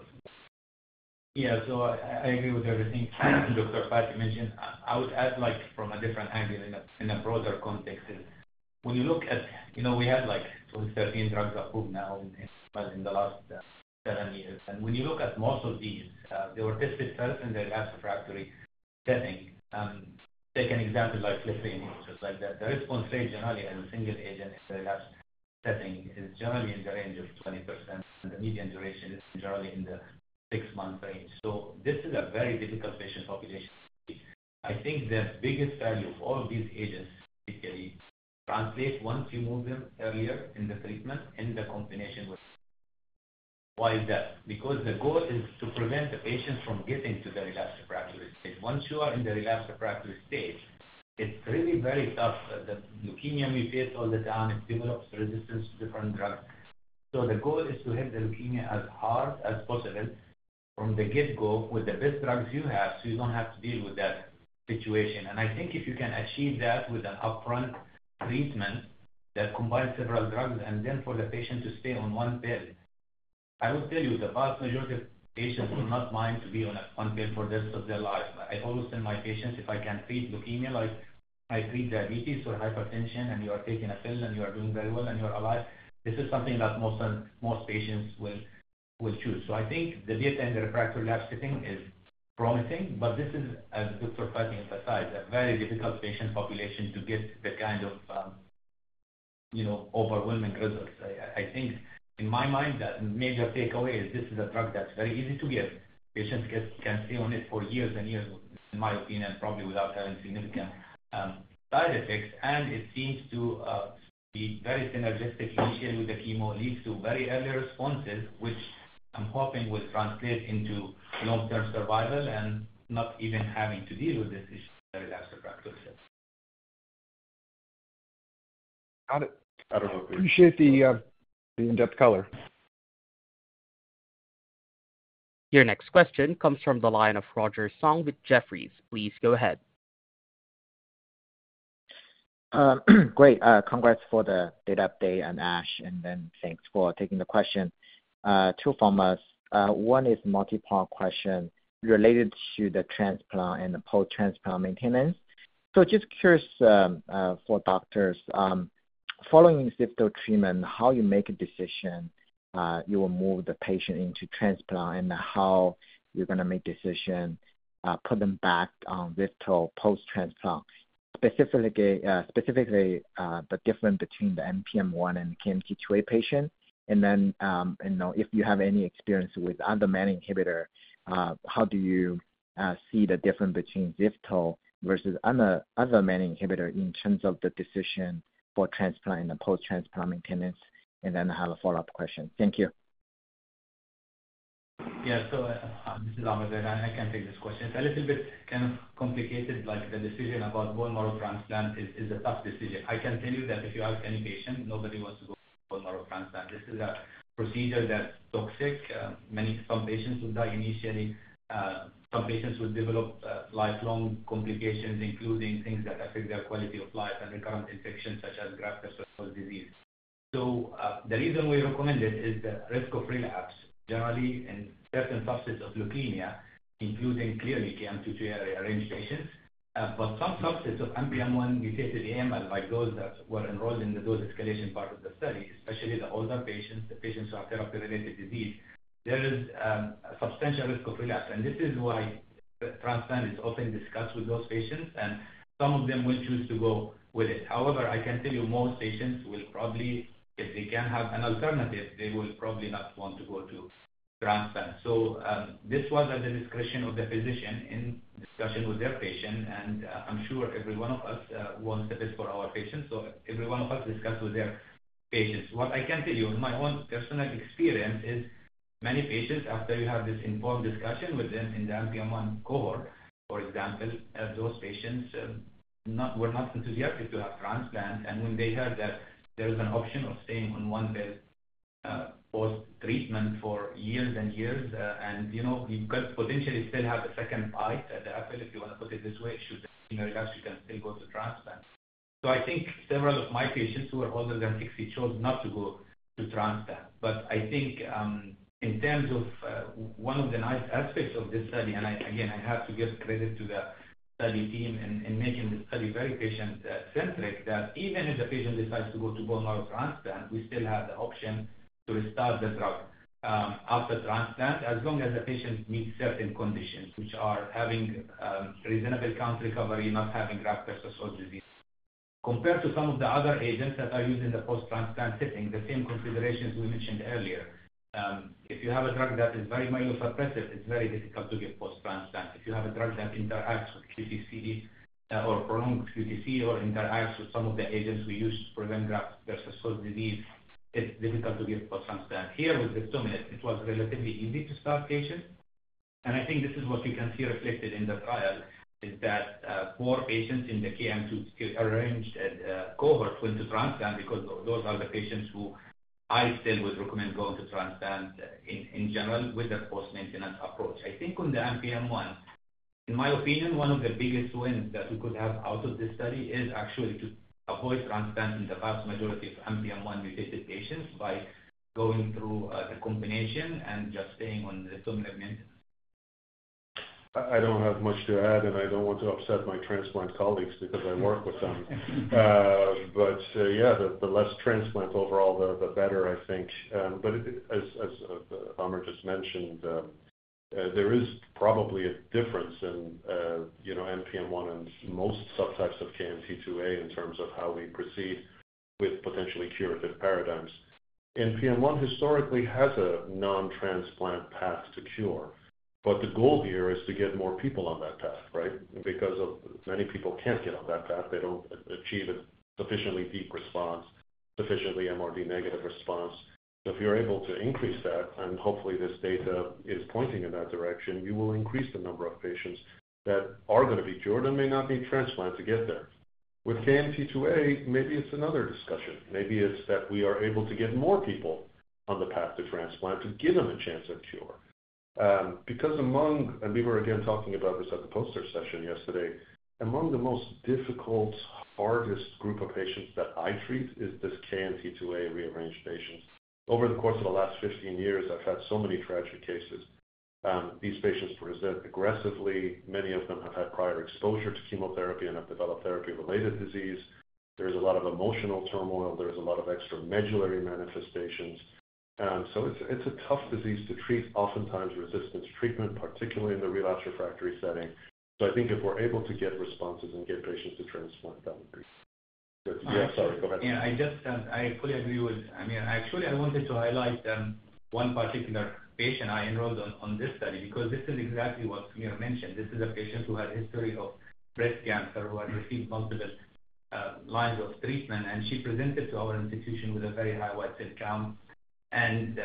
Yeah. So, I agree with everything Dr. Fathi mentioned. I would add from a different angle in a broader context, when you look at, we have over 13 drugs approved now in the last seven years. And when you look at most of these, they were tested first in the relapsed/refractory setting. Take an example like FLT3 inhibitors, like that. The response rate generally as a single agent in the relapsed setting is generally in the range of 20%, and the median duration is generally in the six-month range. So, this is a very difficult patient population. I think the biggest value of all of these agents basically translates once you move them earlier in the treatment, in the combination with. Why is that? Because the goal is to prevent the patients from getting to the relapsed/refractory stage. Once you are in the relapsed/refractory stage, it's really very tough. The leukemia mutates all the time. It develops resistance to different drugs. So, the goal is to hit the leukemia as hard as possible from the get-go with the best drugs you have so you don't have to deal with that situation. I think if you can achieve that with an upfront treatment that combines several drugs and then for the patient to stay on one pill, I will tell you the vast majority of patients will not mind to be on one pill for the rest of their life. I always tell my patients, if I can treat leukemia, like I treat diabetes or hypertension, and you are taking a pill, and you are doing very well, and you are alive, this is something that most patients will choose. I think the data in the refractory relapsed setting is promising, but this is, as Dr. Fathi emphasized, a very difficult patient population to get the kind of overwhelming results. I think in my mind, the major takeaway is this is a drug that's very easy to give. Patients can stay on it for years and years, in my opinion, probably without having significant side effects. And it seems to be very synergistic initially with the chemo, leads to very early responses, which I'm hoping will translate into long-term survival and not even having to deal with this issue in the relapsed/refractory setting. Got it. I appreciate the in-depth color. Your next question comes from the line of Roger Song with Jefferies. Please go ahead. Great. Congrats for the data update and ASH. And then thanks for taking the question. Two from us. One is a multi-part question related to the transplant and the post-transplant maintenance. So, just curious for doctors, following ziftomenib treatment, how you make a decision you will move the patient into transplant and how you're going to make a decision to put them back on zifto post-transplant, specifically the difference between the NPM1 and KMT2A patient. And then if you have any experience with other menin inhibitor, how do you see the difference between zifto versus other menin inhibitor in terms of the decision for transplant and the post-transplant maintenance? And then I have a follow-up question. Thank you. Yeah. So, this is Amer here. I can take this question. It's a little bit kind of complicated. The decision about bone marrow transplant is a tough decision. I can tell you that if you ask any patient, nobody wants to go for bone marrow transplant. This is a procedure that's toxic. Some patients would die initially. Some patients would develop lifelong complications, including things that affect their quality of life and recurrent infections such as graft-versus-host disease. So, the reason we recommend it is the risk of relapse, generally in certain subsets of leukemia, including clearly KMT2A-rearranged patients. But some subsets of NPM1-mutated AML, like those that were enrolled in the dose escalation part of the study, especially the older patients, the patients who have therapy-related disease, there is a substantial risk of relapse. And this is why transplant is often discussed with those patients, and some of them will choose to go with it. However, I can tell you most patients will probably, if they can have an alternative, they will probably not want to go to transplant. This was at the discretion of the physician in discussion with their patient, and I'm sure every one of us wants the best for our patients. Every one of us discussed with their patients. What I can tell you in my own personal experience is many patients, after you have this informed discussion with them in the NPM1 cohort, for example, those patients were not enthusiastic to have transplant. And when they heard that there is an option of staying on one pill post-treatment for years and years, and you could potentially still have a second bite at the apple, if you want to put it this way, should they be in a relapse, you can still go to transplant. I think several of my patients who are older than 60 chose not to go to transplant. But I think in terms of one of the nice aspects of this study, and again, I have to give credit to the study team in making this study very patient-centric, that even if the patient decides to go to bone marrow transplant, we still have the option to restart the drug after transplant, as long as the patient meets certain conditions, which are having reasonable count recovery, not having graft-versus-host disease. Compared to some of the other agents that are used in the post-transplant setting, the same considerations we mentioned earlier. If you have a drug that is very myelosuppressive, it's very difficult to give post-transplant. If you have a drug that interacts with QTc or prolonged QTc or interacts with some of the agents we use to prevent graft-versus-host disease, it's difficult to give post-transplant. Here, with ziftomenib, it was relatively easy to start patients. I think this is what you can see reflected in the trial, is that four patients in the KMT2A-rearranged cohort went to transplant because those are the patients who I still would recommend going to transplant in general with a post-maintenance approach. I think on the NPM1, in my opinion, one of the biggest wins that we could have out of this study is actually to avoid transplant in the vast majority of NPM1-mutated patients by going through the combination and just staying on ziftomenib. I don't have much to add, and I don't want to upset my transplant colleagues because I work with them. Yeah, the less transplant overall, the better, I think. As Amer just mentioned, there is probably a difference in NPM1 and most subtypes of KMT2A in terms of how we proceed with potentially curative paradigms. NPM1 historically has a non-transplant path to cure, but the goal here is to get more people on that path, right? Because many people can't get on that path. They don't achieve a sufficiently deep response, sufficiently MRD negative response. So, if you're able to increase that, and hopefully this data is pointing in that direction, you will increase the number of patients that are going to be cured and may not need transplant to get there. With KMT2A, maybe it's another discussion. Maybe it's that we are able to get more people on the path to transplant to give them a chance at cure. Because among, and we were again talking about this at the poster session yesterday, among the most difficult, hardest group of patients that I treat is this KMT2A-rearranged patients. Over the course of the last 15 years, I've had so many tragic cases. These patients present aggressively. Many of them have had prior exposure to chemotherapy and have developed therapy-related disease. There is a lot of emotional turmoil. There is a lot of extramedullary manifestations, so it's a tough disease to treat, oftentimes resistance treatment, particularly in the relapsed/refractory setting, so I think if we're able to get responses and get patients to transplant, that would be. Yeah, sorry, go ahead. Yeah. I fully agree with. I mean, actually, I wanted to highlight one particular patient I enrolled on this study because this is exactly what Amir mentioned. This is a patient who had a history of breast cancer, who had received multiple lines of treatment, and she presented to our institution with a very high white cell count, and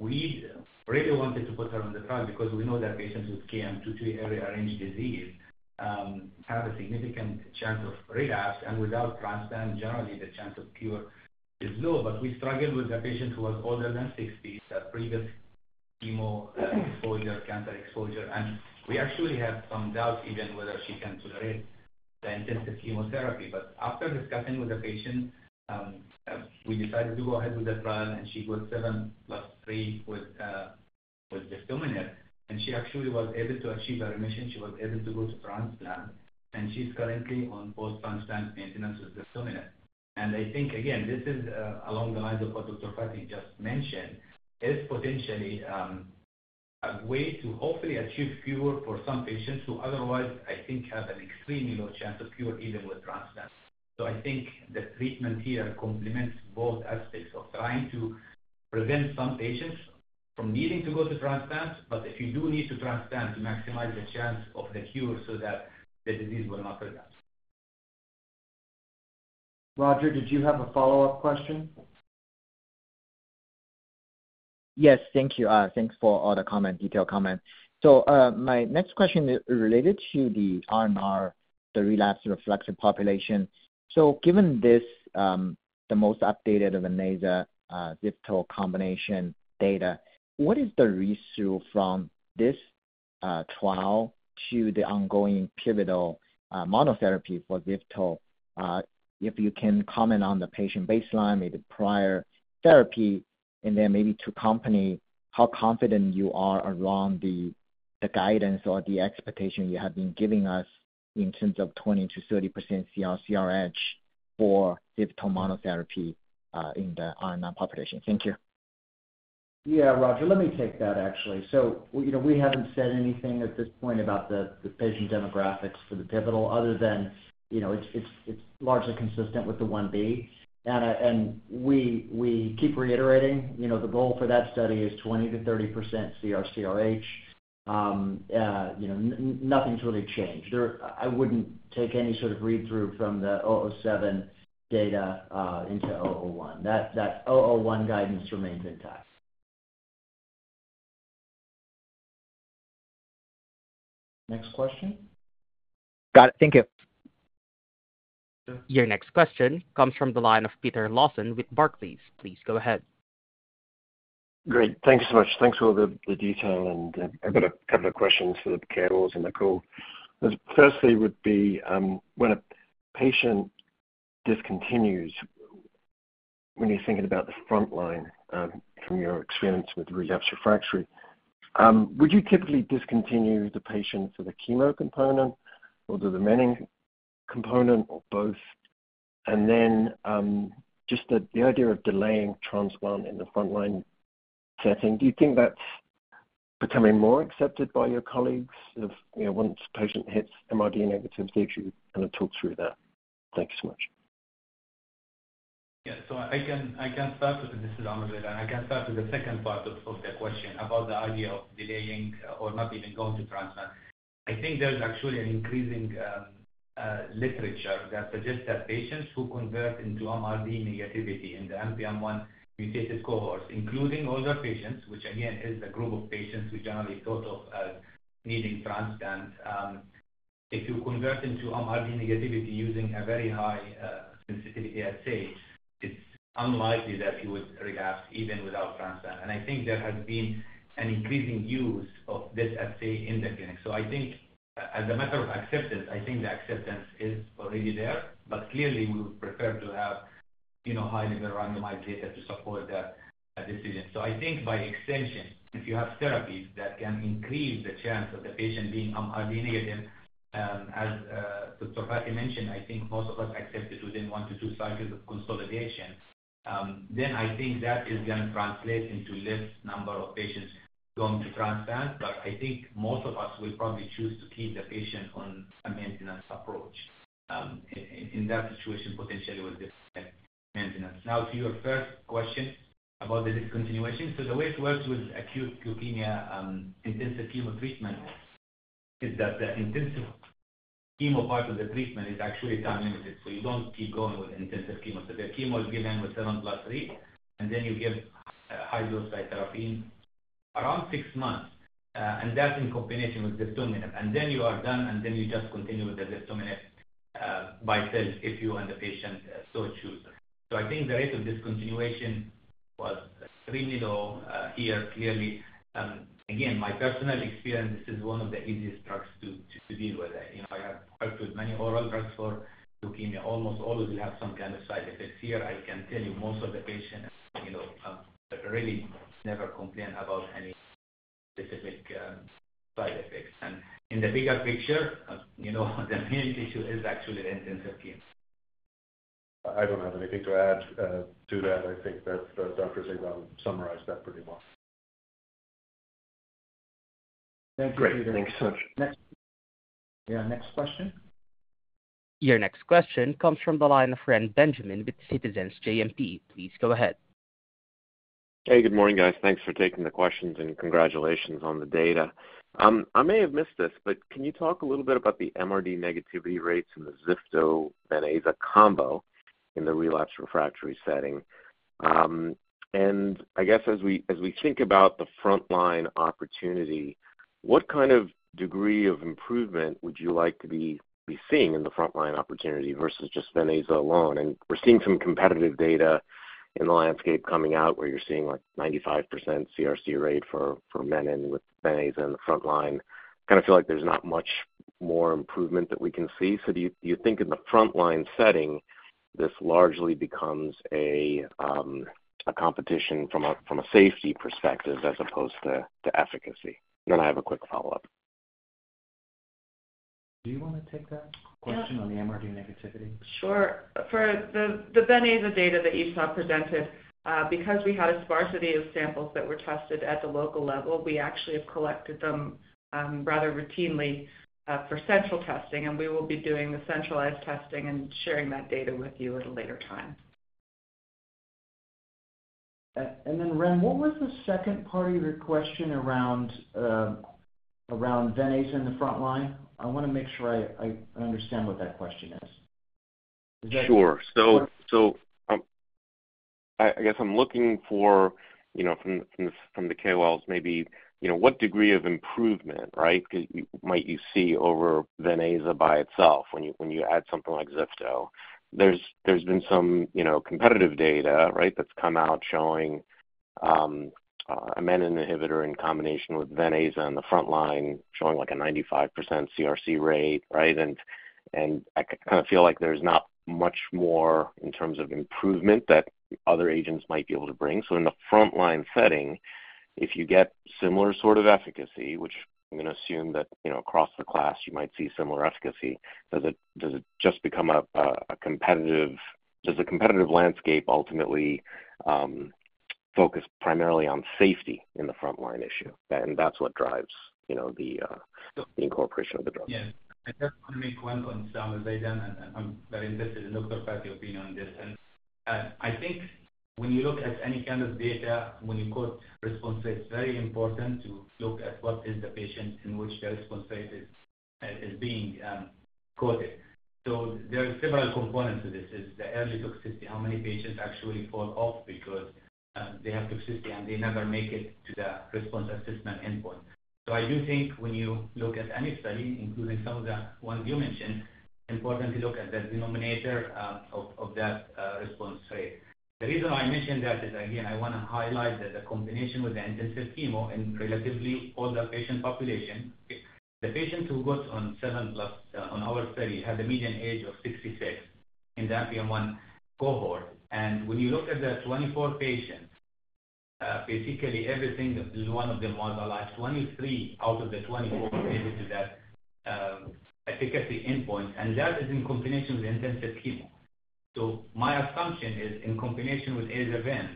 we really wanted to put her on the trial because we know that patients with KMT2A-rearranged disease have a significant chance of relapse. And without transplant, generally, the chance of cure is low. But we struggled with a patient who was older than 60, had previous chemo exposure, cancer exposure, and we actually had some doubts even whether she can tolerate the intensive chemotherapy. But after discussing with the patient, we decided to go ahead with the trial, and she got 7+3 with ziftomenib. And she actually was able to achieve a remission. She was able to go to transplant. And she's currently on post-transplant maintenance with ziftomenib. And I think, again, this is along the lines of what Dr. Fathi just mentioned, is potentially a way to hopefully achieve cure for some patients who otherwise, I think, have an extremely low chance of cure even with transplant. So, I think the treatment here complements both aspects of trying to prevent some patients from needing to go to transplant, but if you do need to transplant, to maximize the chance of the cure so that the disease will not relapse. Roger, did you have a follow-up question? Yes. Thank you. Thanks for all the comments, detailed comments. So, my next question is related to the R/R, the relapsed/refractory population. So, given this, the most updated of the aza/zifto combination data, what is the read-through from this trial to the ongoing pivotal monotherapy for zifto? If you can comment on the patient baseline, maybe prior therapy, and then maybe comment on how confident you are around the guidance or the expectation you have been giving us in terms of 20%-30% CRc/CRh for zifto monotherapy in the R/R population. Thank you. Yeah, Roger. Let me take that, actually. So, we haven't said anything at this point about the patient demographics for the pivotal other than it's largely consistent with the IB. And we keep reiterating the goal for that study is 20%-30% CR/CRh. Nothing's really changed. I wouldn't take any sort of read-through from the 007 data into 001. That 001 guidance remains intact. Next question. Got it. Thank you. Your next question comes from the line of Peter Lawson with Barclays. Please go ahead. Great. Thank you so much. Thanks for the detail and a couple of questions for the KOLs on the call. Firstly, would be when a patient discontinues, when you're thinking about the frontline from your experience with relapsed/refractory, would you typically discontinue the patient for the chemo component or the remaining component or both? And then just the idea of delaying transplant in the frontline setting, do you think that's becoming more accepted by your colleagues? Once a patient hits MRD negative, they actually kind of talk through that. Thank you so much. Yeah. So, I can start with, this is Amer Zeidan. And I can start with the second part of the question about the idea of delaying or not even going to transplant. I think there's actually an increasing literature that suggests that patients who convert into MRD negativity in the NPM1-mutated cohorts, including older patients, which again is the group of patients we generally thought of as needing transplant, if you convert into MRD negativity using a very high sensitivity assay, it's unlikely that you would relapse even without transplant, and I think there has been an increasing use of this assay in the clinic. So, as a matter of acceptance, I think the acceptance is already there, but clearly we would prefer to have high-level randomized data to support that decision. So, I think by extension, if you have therapies that can increase the chance of the patient being MRD negative, as Dr. Fathi mentioned, I think most of us accepted within one to two cycles of consolidation, then I think that is going to translate into less number of patients going to transplant. But I think most of us will probably choose to keep the patient on a maintenance approach. In that situation, potentially with maintenance. Now, to your first question about the discontinuation, so the way it works with acute leukemia intensive chemo treatment is that the intensive chemo part of the treatment is actually time-limited. So, you don't keep going with intensive chemo. So, the chemo is given with 7+3, and then you give high-dose cytarabine around six months, and that's in combination with ziftomenib. And then you are done, and then you just continue with the ziftomenib by itself if you and the patient so choose. So, I think the rate of discontinuation was extremely low here, clearly. Again, my personal experience, this is one of the easiest drugs to deal with. I have worked with many oral drugs for leukemia. Almost always you'll have some kind of side effects. Here, I can tell you most of the patients really never complain about any specific side effects. And in the bigger picture, the main issue is actually the intensive chemo. I don't have anything to add to that. I think that Dr. Zeidan summarized that pretty well. Thank you, Peter. Great. Thank you so much. Yeah. Next question. Your next question comes from the line of Ren Benjamin with Citizens JMP. Please go ahead. Hey, good morning, guys. Thanks for taking the questions and congratulations on the data. I may have missed this, but can you talk a little bit about the MRD negativity rates in the zifto and aza combo in the relapsed/refractory setting? And I guess as we think about the frontline opportunity, what kind of degree of improvement would you like to be seeing in the frontline opportunity versus just ven/aza alone? And we're seeing some competitive data in the landscape coming out where you're seeing like 95% CRc rate for menin with ven/aza in the frontline. Kind of feel like there's not much more improvement that we can see. So, do you think in the frontline setting, this largely becomes a competition from a safety perspective as opposed to efficacy? Then I have a quick follow-up. Do you want to take that question on the MRD negativity? Sure. For the ven/aza data that you saw presented, because we had a sparsity of samples that were tested at the local level, we actually have collected them rather routinely for central testing, and we will be doing the centralized testing and sharing that data with you at a later time. Ren, what was the second part of your question around ven/aza in the frontline? I want to make sure I understand what that question is. Sure. I guess I'm looking for from the KOLs maybe what degree of improvement, right, might you see over ven/aza by itself when you add something like zifto. There's been some competitive data, right, that's come out showing a menin inhibitor in combination with ven/aza in the frontline showing like a 95% CRc rate, right? And I kind of feel like there's not much more in terms of improvement that other agents might be able to bring. So, in the frontline setting, if you get similar sort of efficacy, which I'm going to assume that across the class you might see similar efficacy, does it just become a competitive—does the competitive landscape ultimately focus primarily on safety in the frontline issue? And that's what drives the incorporation of the drug. Yeah. I just want to make one point, Sam, as I'm very interested in Dr. Fathi's opinion on this. I think when you look at any kind of data, when you quote response rates, it's very important to look at what is the patient in which the response rate is being quoted. So, there are several components to this. It's the early toxicity, how many patients actually fall off because they have toxicity and they never make it to the response assessment endpoint. So, I do think when you look at any study, including some of the ones you mentioned, it's important to look at the denominator of that response rate. The reason I mentioned that is, again, I want to highlight that the combination with the intensive chemo in relatively older patient population, the patients who got 7+3 on our study had a median age of 66 in the NPM1 cohort. When you look at the 24 patients, basically everything, one of them was alive. 23 out of the 24 made it to that efficacy endpoint. And that is in combination with intensive chemo. So, my assumption is in combination with aza/ven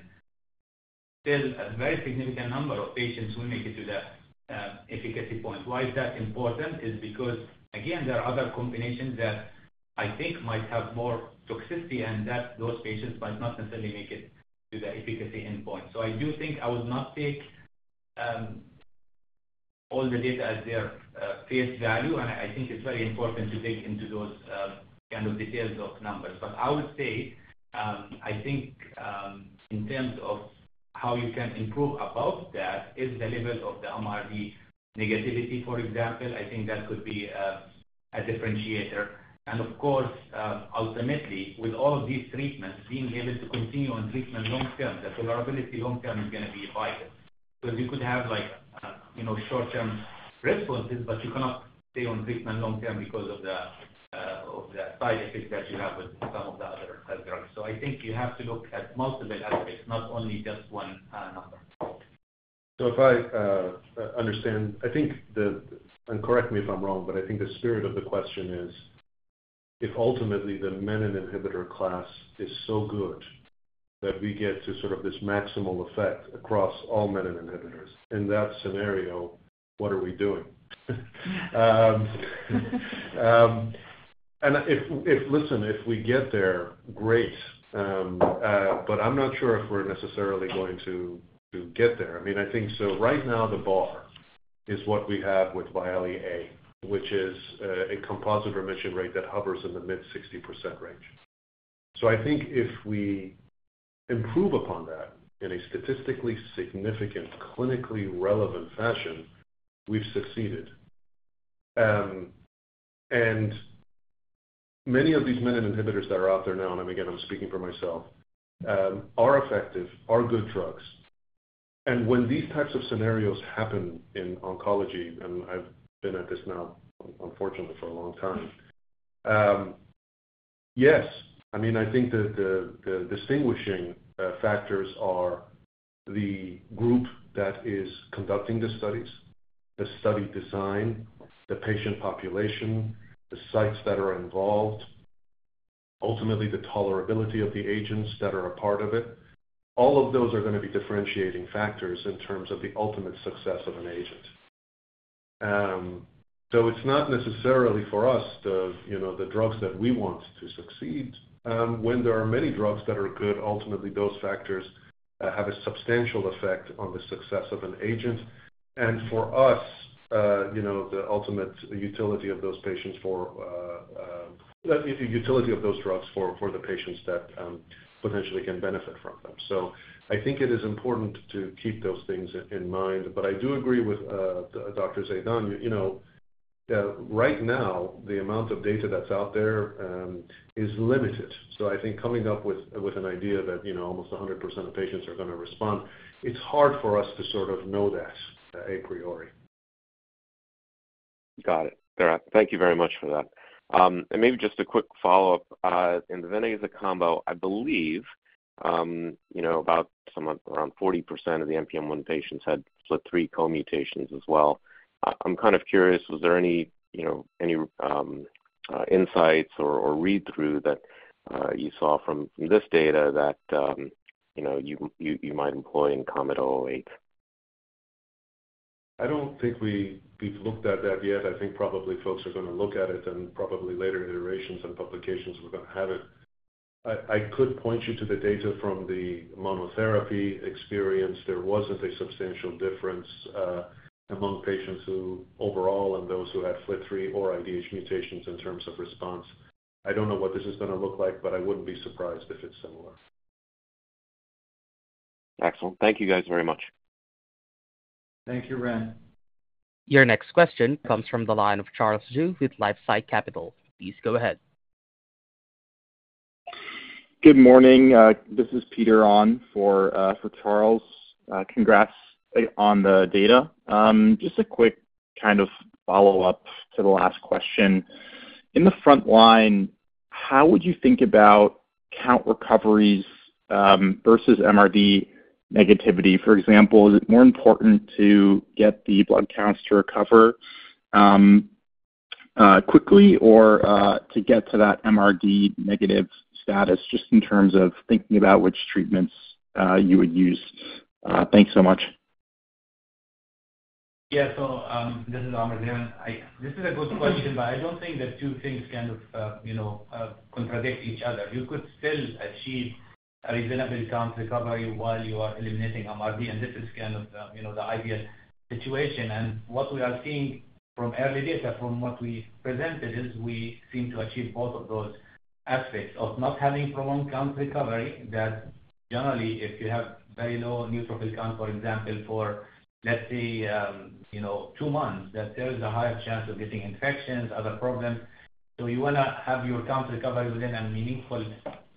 still a very significant number of patients will make it to that efficacy point. Why is that important? It's because, again, there are other combinations that I think might have more toxicity and that those patients might not necessarily make it to the efficacy endpoint. So, I do think I would not take all the data at face value, and I think it's very important to dig into those kind of details of numbers. But I would say, I think in terms of how you can improve above that is the level of the MRD negativity, for example. I think that could be a differentiator. Of course, ultimately, with all of these treatments being able to continue on treatment long-term, the tolerability long-term is going to be higher. Because you could have short-term responses, but you cannot stay on treatment long-term because of the side effects that you have with some of the other drugs. I think you have to look at multiple aspects, not only just one number. If I understand, I think, and correct me if I'm wrong, but I think the spirit of the question is if ultimately the menin inhibitor class is so good that we get to sort of this maximal effect across all menin inhibitors, in that scenario, what are we doing? Listen, if we get there, great. I'm not sure if we're necessarily going to get there. I mean, I think so right now the bar is what we have with VIALE-A, which is a composite remission rate that hovers in the mid-60% range. So, I think if we improve upon that in a statistically significant, clinically relevant fashion, we've succeeded. And many of these menin inhibitors that are out there now - and again, I'm speaking for myself - are effective, are good drugs. And when these types of scenarios happen in oncology, and I've been at this now, unfortunately, for a long time, yes. I mean, I think the distinguishing factors are the group that is conducting the studies, the study design, the patient population, the sites that are involved, ultimately the tolerability of the agents that are a part of it. All of those are going to be differentiating factors in terms of the ultimate success of an agent. So, it's not necessarily for us the drugs that we want to succeed. When there are many drugs that are good, ultimately those factors have a substantial effect on the success of an agent. And for us, the ultimate utility of those patients for—the utility of those drugs for the patients that potentially can benefit from them. So, I think it is important to keep those things in mind. But I do agree with Dr. Zeidan. Right now, the amount of data that's out there is limited. So, I think coming up with an idea that almost 100% of patients are going to respond, it's hard for us to sort of know that a priori. Got it. Thank you very much for that. And maybe just a quick follow-up. In the ven/aza combo, I believe about around 40% of the NPM1 patients had FLT3 co-mutations as well. I'm kind of curious, was there any insights or read-through that you saw from this data that you might employ in KOMET-008? I don't think we've looked at that yet. I think probably folks are going to look at it, and probably later iterations and publications are going to have it. I could point you to the data from the monotherapy experience. There wasn't a substantial difference among patients who overall and those who had FLT3 or IDH mutations in terms of response. I don't know what this is going to look like, but I wouldn't be surprised if it's similar. Excellent. Thank you guys very much. Thank you, Ren. Your next question comes from the line of Charles Zhu with LifeSci Capital. Please go ahead. Good morning. This is Peter on for Charles. Congrats on the data. Just a quick kind of follow-up to the last question. In the frontline, how would you think about count recoveries versus MRD negativity? For example, is it more important to get the blood counts to recover quickly or to get to that MRD negative status just in terms of thinking about which treatments you would use? Thanks so much. Yeah. So, this is Amer Zeidan. This is a good question, but I don't think the two things kind of contradict each other. You could still achieve a reasonable count recovery while you are eliminating MRD, and this is kind of the ideal situation. And what we are seeing from early data from what we presented is we seem to achieve both of those aspects of not having prolonged count recovery that generally, if you have very low neutrophil count, for example, for, let's say, two months, that there is a higher chance of getting infections, other problems. So, you want to have your count recovery within a meaningful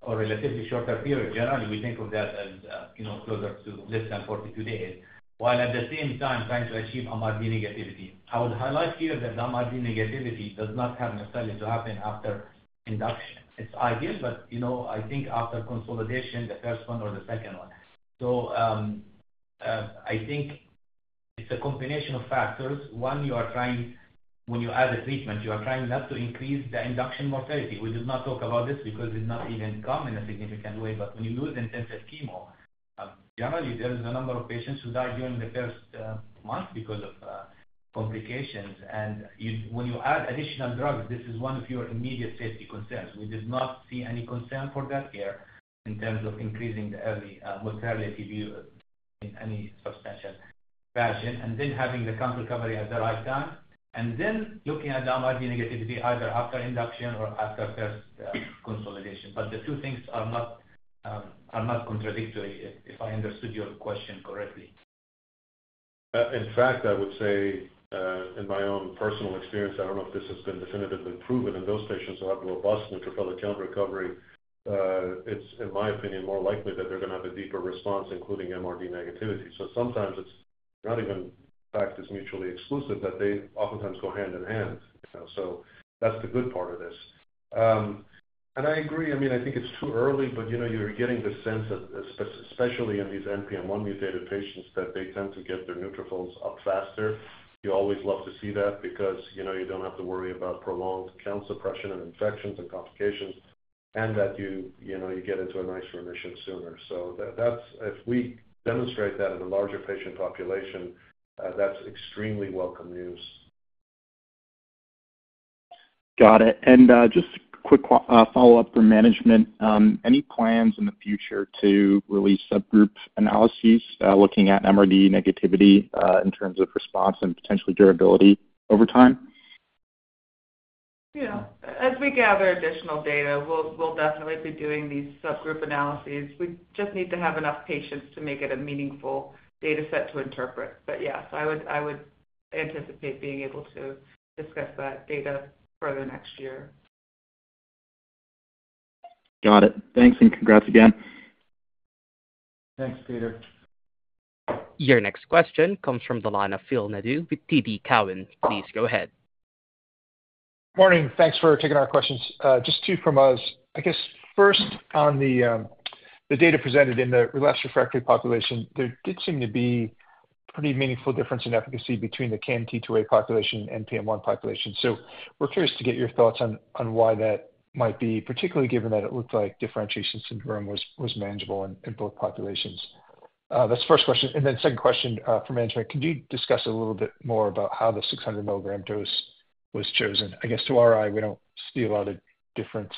or relatively shorter period. Generally, we think of that as closer to less than 42 days, while at the same time trying to achieve MRD negativity. I would highlight here that the MRD negativity does not necessarily have to happen after induction. It's ideal, but I think after consolidation, the first one or the second one. So, I think it's a combination of factors. One, you are trying, when you add the treatment, you are trying not to increase the induction mortality. We did not talk about this because it did not even come in a significant way. But when you lose intensive chemo, generally, there is a number of patients who die during the first month because of complications. And when you add additional drugs, this is one of your immediate safety concerns. We did not see any concern for that here in terms of increasing the early mortality in any substantial fashion, and then having the count recovery at the right time, and then looking at the MRD negativity either after induction or after first consolidation, but the two things are not contradictory if I understood your question correctly. In fact, I would say in my own personal experience, I don't know if this has been definitively proven, and those patients who have robust neutrophil count recovery, it's, in my opinion, more likely that they're going to have a deeper response, including MRD negativity, so sometimes it's not even the fact it's mutually exclusive that they oftentimes go hand in hand, so that's the good part of this, and I agree. I mean, I think it's too early, but you're getting the sense that especially in these NPM1-mutated patients that they tend to get their neutrophils up faster. You always love to see that because you don't have to worry about prolonged count suppression and infections and complications, and that you get into a nice remission sooner. So, if we demonstrate that in a larger patient population, that's extremely welcome news. Got it. And just a quick follow-up for management. Any plans in the future to release subgroup analyses looking at MRD negativity in terms of response and potentially durability over time? Yeah. As we gather additional data, we'll definitely be doing these subgroup analyses. We just need to have enough patients to make it a meaningful dataset to interpret. But yeah, I would anticipate being able to discuss that data further next year. Got it. Thanks and congrats again. Thanks, Peter. Your next question comes from the line of Phil Nadeau with TD Cowen. Please go ahead. Morning. Thanks for taking our questions. Just two from us. I guess first, on the data presented in the relapsed/refractory population, there did seem to be a pretty meaningful difference in efficacy between the KMT2A population and NPM1 population. So, we're curious to get your thoughts on why that might be, particularly given that it looked like differentiation syndrome was manageable in both populations. That's the first question. And then second question for management, could you discuss a little bit more about how the 600 mg dose was chosen? I guess to our eye, we don't see a lot of difference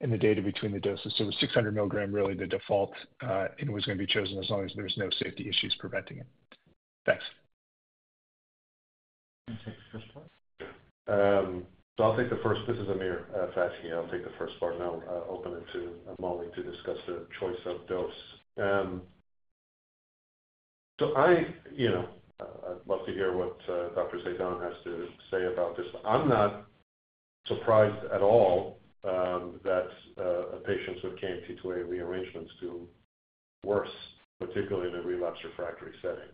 in the data between the doses. So, was 600 mg really the default and was going to be chosen as long as there's no safety issues preventing it? Thanks. You can take the first part? So, I'll take the first. This is Amir Fathi. I'll take the first part, and I'll open it to Mollie to discuss the choice of dose. So, I'd love to hear what Dr. Zeidan has to say about this. I'm not surprised at all that patients with KMT2A rearrangements do worse, particularly in a relapsed/refractory setting.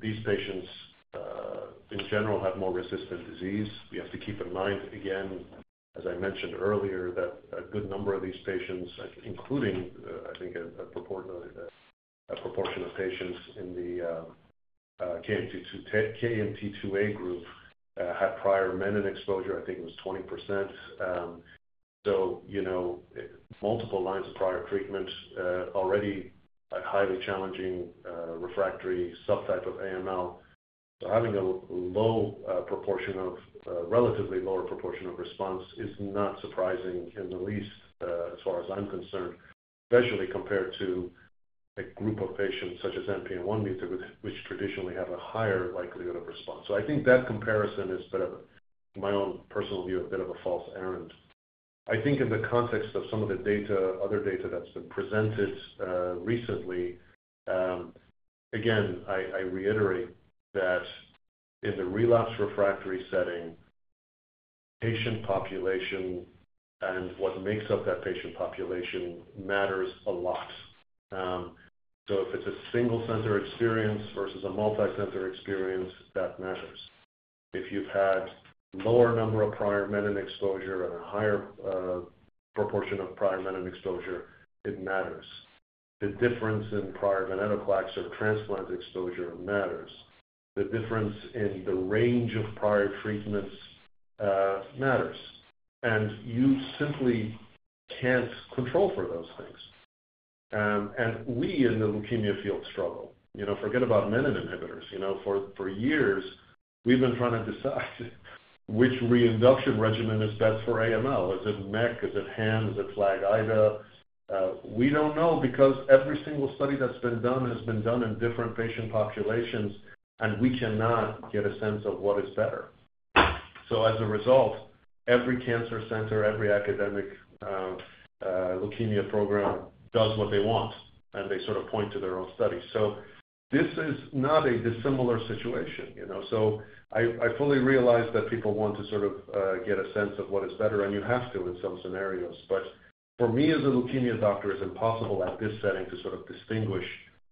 These patients, in general, have more resistant disease. We have to keep in mind, again, as I mentioned earlier, that a good number of these patients, including, I think, a proportion of patients in the KMT2A group, had prior menin exposure. I think it was 20%. So, multiple lines of prior treatment, already a highly challenging refractory subtype of AML. So, having a low proportion of a relatively lower proportion of response is not surprising in the least, as far as I'm concerned, especially compared to a group of patients such as NPM1 mutated, which traditionally have a higher likelihood of response. So, I think that comparison is, in my own personal view, a bit of a false errand. I think in the context of some of the data, other data that's been presented recently, again, I reiterate that in the relapsed/refractory setting, patient population and what makes up that patient population matters a lot. So, if it's a single center experience versus a multi-center experience, that matters. If you've had a lower number of prior menin exposure and a higher proportion of prior menin exposure, it matters. The difference in prior venetoclax or transplant exposure matters. The difference in the range of prior treatments matters. You simply can't control for those things. We in the leukemia field struggle. Forget about menin inhibitors. For years, we've been trying to decide which reinduction regimen is best for AML. Is it MEC? Is it HAM? Is it FLAG-IDA? We don't know because every single study that's been done has been done in different patient populations, and we cannot get a sense of what is better. As a result, every cancer center, every academic leukemia program does what they want, and they sort of point to their own studies. This is not a dissimilar situation. I fully realize that people want to sort of get a sense of what is better, and you have to in some scenarios. But for me as a leukemia doctor, it's impossible at this setting to sort of distinguish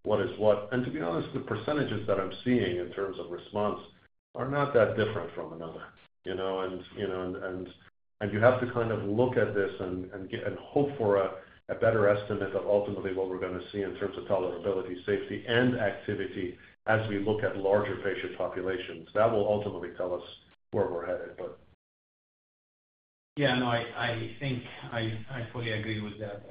what is what. To be honest, the percentages that I'm seeing in terms of response are not that different from another. You have to kind of look at this and hope for a better estimate of ultimately what we're going to see in terms of tolerability, safety, and activity as we look at larger patient populations. That will ultimately tell us where we're headed, but. Yeah. No, I think I fully agree with that.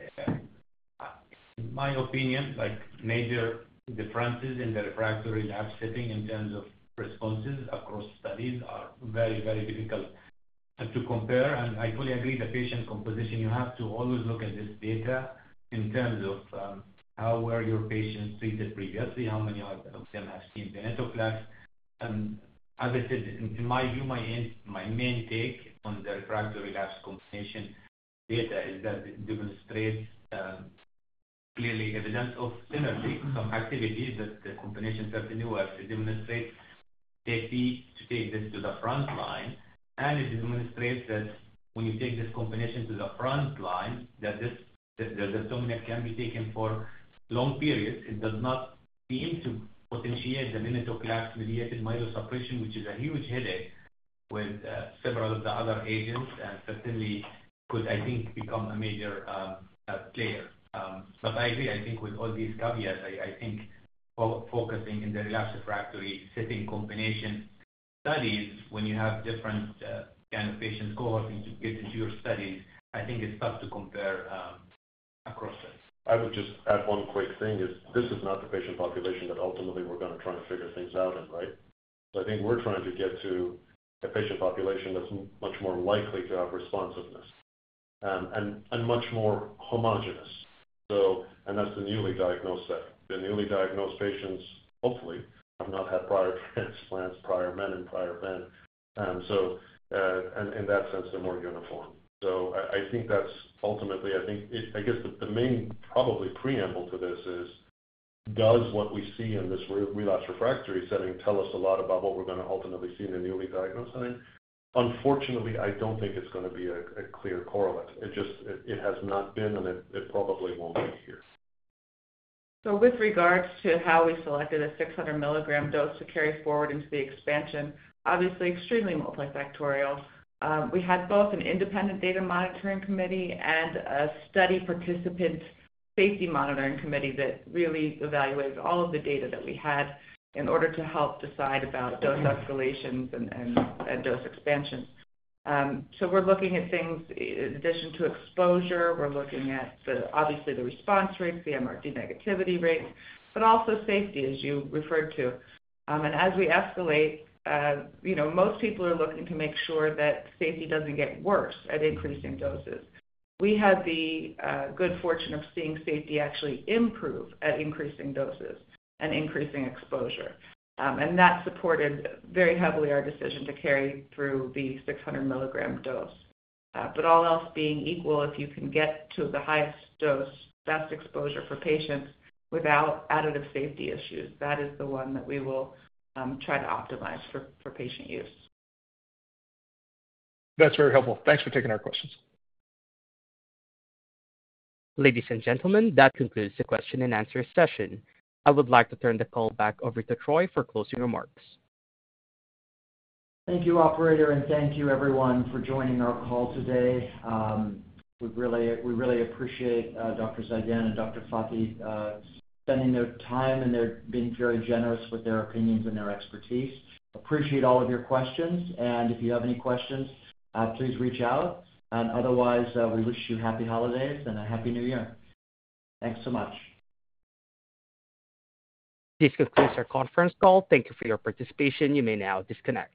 In my opinion, major differences in the refractory R/R setting in terms of responses across studies are very, very difficult to compare. And I fully agree the patient composition, you have to always look at this data in terms of how were your patients treated previously, how many of them have seen venetoclax. As I said, in my view, my main take on the relapsed/refractory combination data is that it demonstrates clearly evidence of synergy, some activity that the combination certainly will demonstrate. Safety to take this to the front line. It demonstrates that when you take this combination to the front line, that the dose can be taken for long periods. It does not seem to potentiate the venetoclax-mediated myelosuppression, which is a huge headache with several of the other agents and certainly could, I think, become a major player. But I agree. I think with all these caveats, I think focusing in the relapsed/refractory setting combination studies, when you have different kinds of patients cohorting to get into your studies, I think it's tough to compare across them. I would just add one quick thing is this is not the patient population that ultimately we're going to try and figure things out in, right? So, I think we're trying to get to a patient population that's much more likely to have responsiveness and much more homogeneous. And that's the newly diagnosed set. The newly diagnosed patients, hopefully, have not had prior transplants, prior menin, prior ven. So, in that sense, they're more uniform. So, I think that's ultimately, I think, I guess the main probably preamble to this is does what we see in this relapsed/refractory setting tell us a lot about what we're going to ultimately see in the newly diagnosed setting? Unfortunately, I don't think it's going to be a clear correlate. It has not been, and it probably won't be here. So, with regards to how we selected a 600 mg dose to carry forward into the expansion, obviously extremely multifactorial. We had both an independent data monitoring committee and a study participant safety monitoring committee that really evaluated all of the data that we had in order to help decide about dose escalations and dose expansions. So, we're looking at things in addition to exposure. We're looking at, obviously, the response rates, the MRD negativity rate, but also safety, as you referred to. And as we escalate, most people are looking to make sure that safety doesn't get worse at increasing doses. We had the good fortune of seeing safety actually improve at increasing doses and increasing exposure. And that supported very heavily our decision to carry through the 600 mg dose. But all else being equal, if you can get to the highest dose, best exposure for patients without additive safety issues, that is the one that we will try to optimize for patient use. That's very helpful. Thanks for taking our questions. Ladies and gentlemen, that concludes the question-and-answer session. I would like to turn the call back over to Troy for closing remarks. Thank you, Operator, and thank you, everyone, for joining our call today. We really appreciate Dr. Zeidan and Dr. Fathi spending their time and their being very generous with their opinions and their expertise. Appreciate all of your questions. And if you have any questions, please reach out. And otherwise, we wish you happy holidays and a happy new year. Thanks so much. Please close our conference call. Thank you for your participation. You may now disconnect.